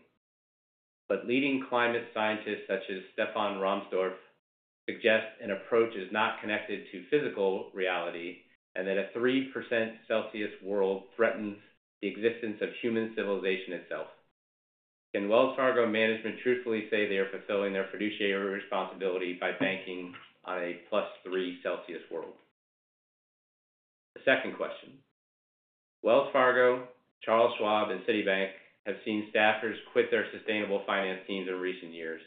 Speaker 6: Leading climate scientists such as Stefan Rahmstorf suggest an approach is not connected to physical reality and that a 3% Celsius world threatens the existence of human civilization itself. Can Wells Fargo management truthfully say they are fulfilling their fiduciary responsibility by banking on a plus 3 Celsius world? The second question, Wells Fargo, Charles Schwab, and Citibank have seen staffers quit their sustainable finance teams in recent years.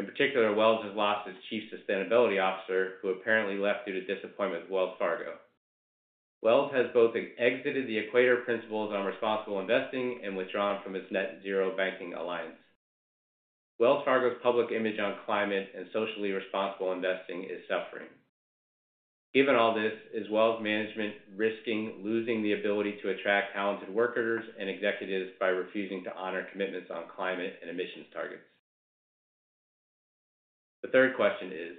Speaker 6: In particular, Wells has lost its chief sustainability officer, who apparently left due to disappointment with Wells Fargo. Wells has both exited the Equator Principles on responsible investing and withdrawn from its Net-Zero Banking Alliance. Wells Fargo's public image on climate and socially responsible investing is suffering. Given all this, is Wells management risking losing the ability to attract talented workers and executives by refusing to honor commitments on climate and emissions targets? The third question is,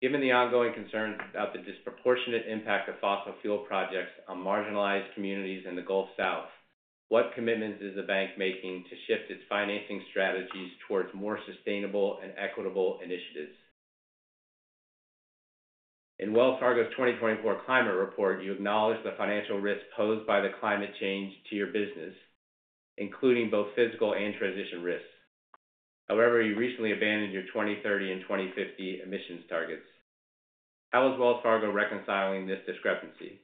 Speaker 6: given the ongoing concerns about the disproportionate impact of fossil fuel projects on marginalized communities in the Gulf South, what commitments is the bank making to shift its financing strategies towards more sustainable and equitable initiatives? In Wells Fargo's 2024 climate report, you acknowledge the financial risks posed by climate change to your business, including both physical and transition risks. However, you recently abandoned your 2030 and 2050 emissions targets. How is Wells Fargo reconciling this discrepancy?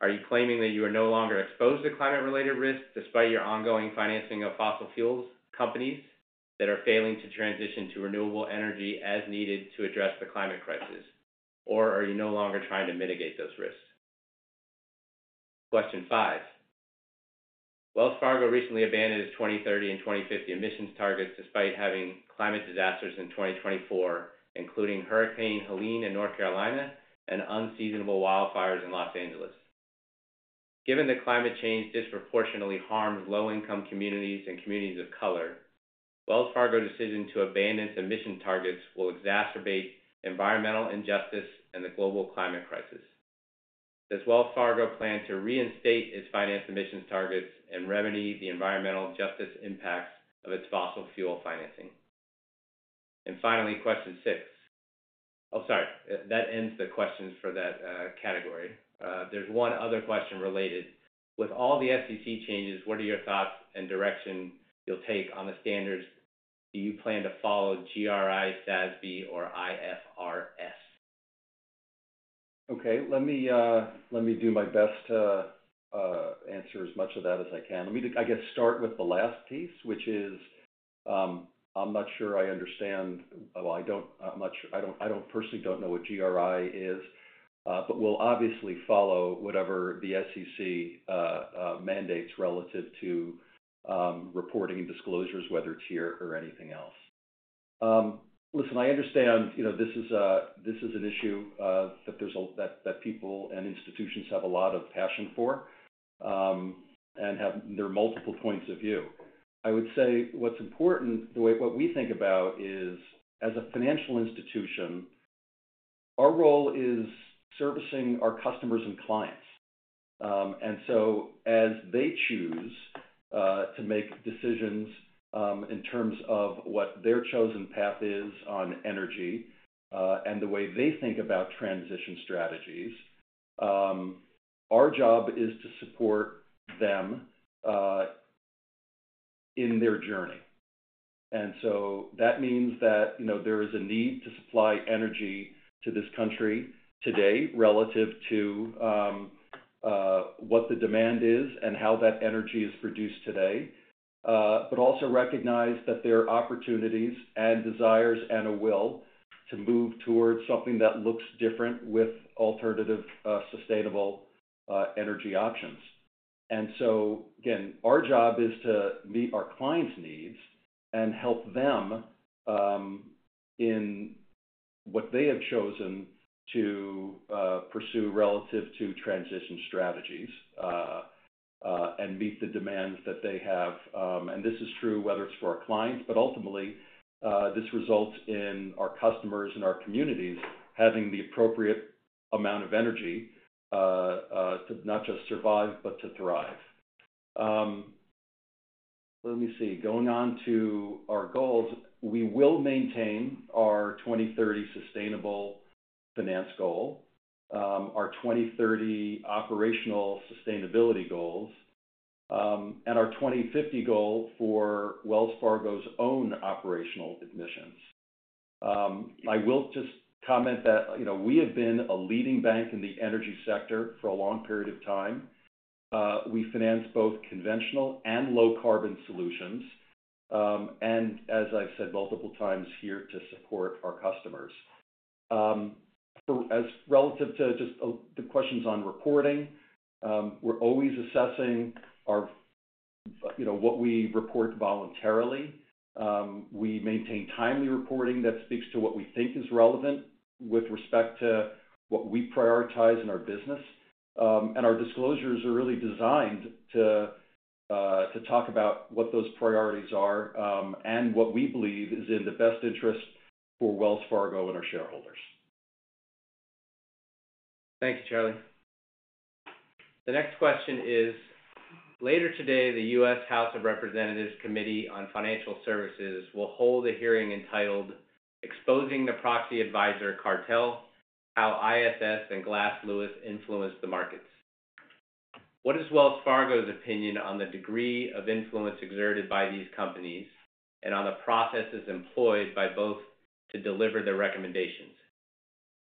Speaker 6: Are you claiming that you are no longer exposed to climate-related risks despite your ongoing financing of fossil fuels companies that are failing to transition to renewable energy as needed to address the climate crisis? Are you no longer trying to mitigate those risks? Question five, Wells Fargo recently abandoned its 2030 and 2050 emissions targets despite having climate disasters in 2024, including Hurricane Helene in North Carolina and unseasonable wildfires in Los Angeles. Given that climate change disproportionately harms low-income communities and communities of color, Wells Fargo's decision to abandon emission targets will exacerbate environmental injustice and the global climate crisis. Does Wells Fargo plan to reinstate its finance emissions targets and remedy the environmental justice impacts of its fossil fuel financing? Finally, question six. Oh, sorry. That ends the questions for that category. There is one other question related. With all the SEC changes, what are your thoughts and direction you'll take on the standards? Do you plan to follow GRI, SASB, or IFRS?
Speaker 7: Okay. Let me do my best to answer as much of that as I can. Let me, I guess, start with the last piece, which is I'm not sure I understand. I don't personally know what GRI is. We'll obviously follow whatever the SEC mandates relative to reporting disclosures, whether it's here or anything else. Listen, I understand this is an issue that people and institutions have a lot of passion for and have their multiple points of view. I would say what's important, the way what we think about is as a financial institution, our role is servicing our customers and clients. As they choose to make decisions in terms of what their chosen path is on energy and the way they think about transition strategies, our job is to support them in their journey. That means that there is a need to supply energy to this country today relative to what the demand is and how that energy is produced today, but also recognize that there are opportunities and desires and a will to move towards something that looks different with alternative sustainable energy options. Again, our job is to meet our clients' needs and help them in what they have chosen to pursue relative to transition strategies and meet the demands that they have. This is true whether it's for our clients, but ultimately, this results in our customers and our communities having the appropriate amount of energy to not just survive, but to thrive. Let me see. Going on to our goals, we will maintain our 2030 sustainable finance goal, our 2030 operational sustainability goals, and our 2050 goal for Wells Fargo's own operational emissions. I will just comment that we have been a leading bank in the energy sector for a long period of time. We finance both conventional and low-carbon solutions. As I've said multiple times here, to support our customers. As relative to just the questions on reporting, we're always assessing what we report voluntarily. We maintain timely reporting that speaks to what we think is relevant with respect to what we prioritize in our business. Our disclosures are really designed to talk about what those priorities are and what we believe is in the best interest for Wells Fargo and our shareholders.
Speaker 6: Thank you, Charlie. The next question is, later today, the U.S. House of Representatives Committee on Financial Services will hold a hearing entitled, "Exposing the Proxy Advisor Cartel: How ISS and Glass Lewis Influenced the Markets." What is Wells Fargo's opinion on the degree of influence exerted by these companies and on the processes employed by both to deliver their recommendations?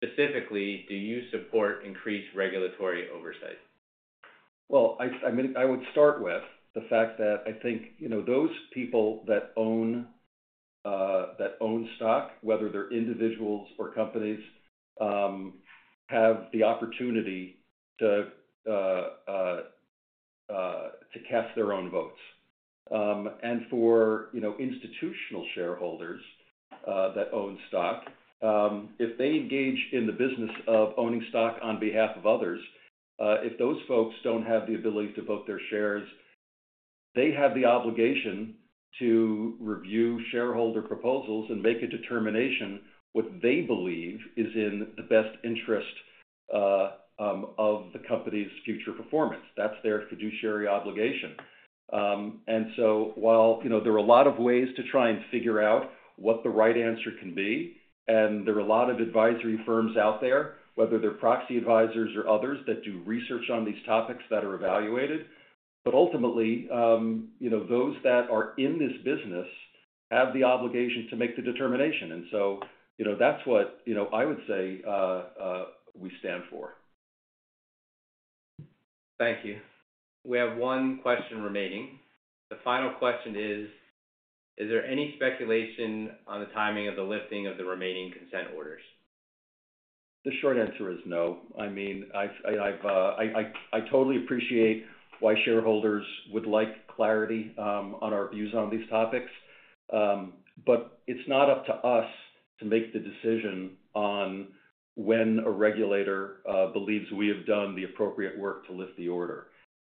Speaker 6: Specifically, do you support increased regulatory oversight?
Speaker 7: I would start with the fact that I think those people that own stock, whether they're individuals or companies, have the opportunity to cast their own votes. For institutional shareholders that own stock, if they engage in the business of owning stock on behalf of others, if those folks don't have the ability to vote their shares, they have the obligation to review shareholder proposals and make a determination what they believe is in the best interest of the company's future performance. That's their fiduciary obligation. While there are a lot of ways to try and figure out what the right answer can be, and there are a lot of advisory firms out there, whether they're proxy advisors or others that do research on these topics that are evaluated, ultimately, those that are in this business have the obligation to make the determination. That is what I would say we stand for.
Speaker 6: Thank you. We have one question remaining. The final question is, is there any speculation on the timing of the lifting of the remaining consent orders?
Speaker 7: The short answer is no. I mean, I totally appreciate why shareholders would like clarity on our views on these topics. It is not up to us to make the decision on when a regulator believes we have done the appropriate work to lift the order.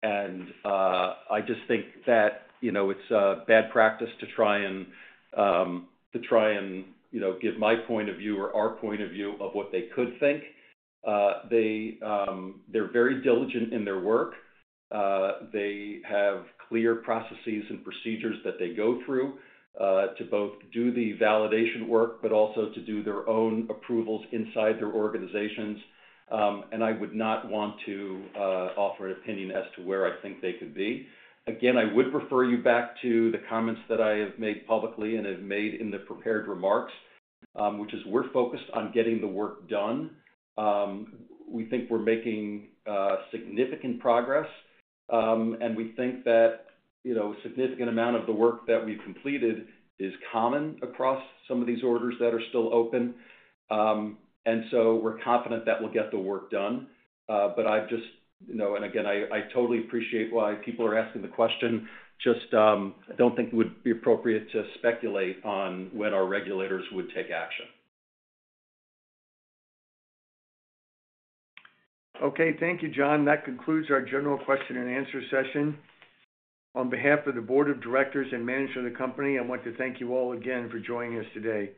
Speaker 7: I just think that it's bad practice to try and give my point of view or our point of view of what they could think. They're very diligent in their work. They have clear processes and procedures that they go through to both do the validation work but also to do their own approvals inside their organizations. I would not want to offer an opinion as to where I think they could be. I would refer you back to the comments that I have made publicly and have made in the prepared remarks, which is we're focused on getting the work done. We think we're making significant progress. We think that a significant amount of the work that we've completed is common across some of these orders that are still open. We are confident that we'll get the work done. I just, and again, I totally appreciate why people are asking the question. I just don't think it would be appropriate to speculate on when our regulators would take action. Okay. Thank you, John. That concludes our general question-and-answer session. On behalf of the Board of Directors and management of the company, I want to thank you all again for joining us today.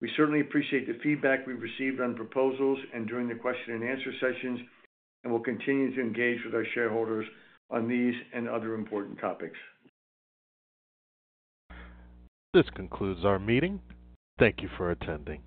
Speaker 7: We certainly appreciate the feedback we've received on proposals and during the question-and-answer sessions, and we'll continue to engage with our shareholders on these and other important topics.
Speaker 1: This concludes our meeting. Thank you for attending.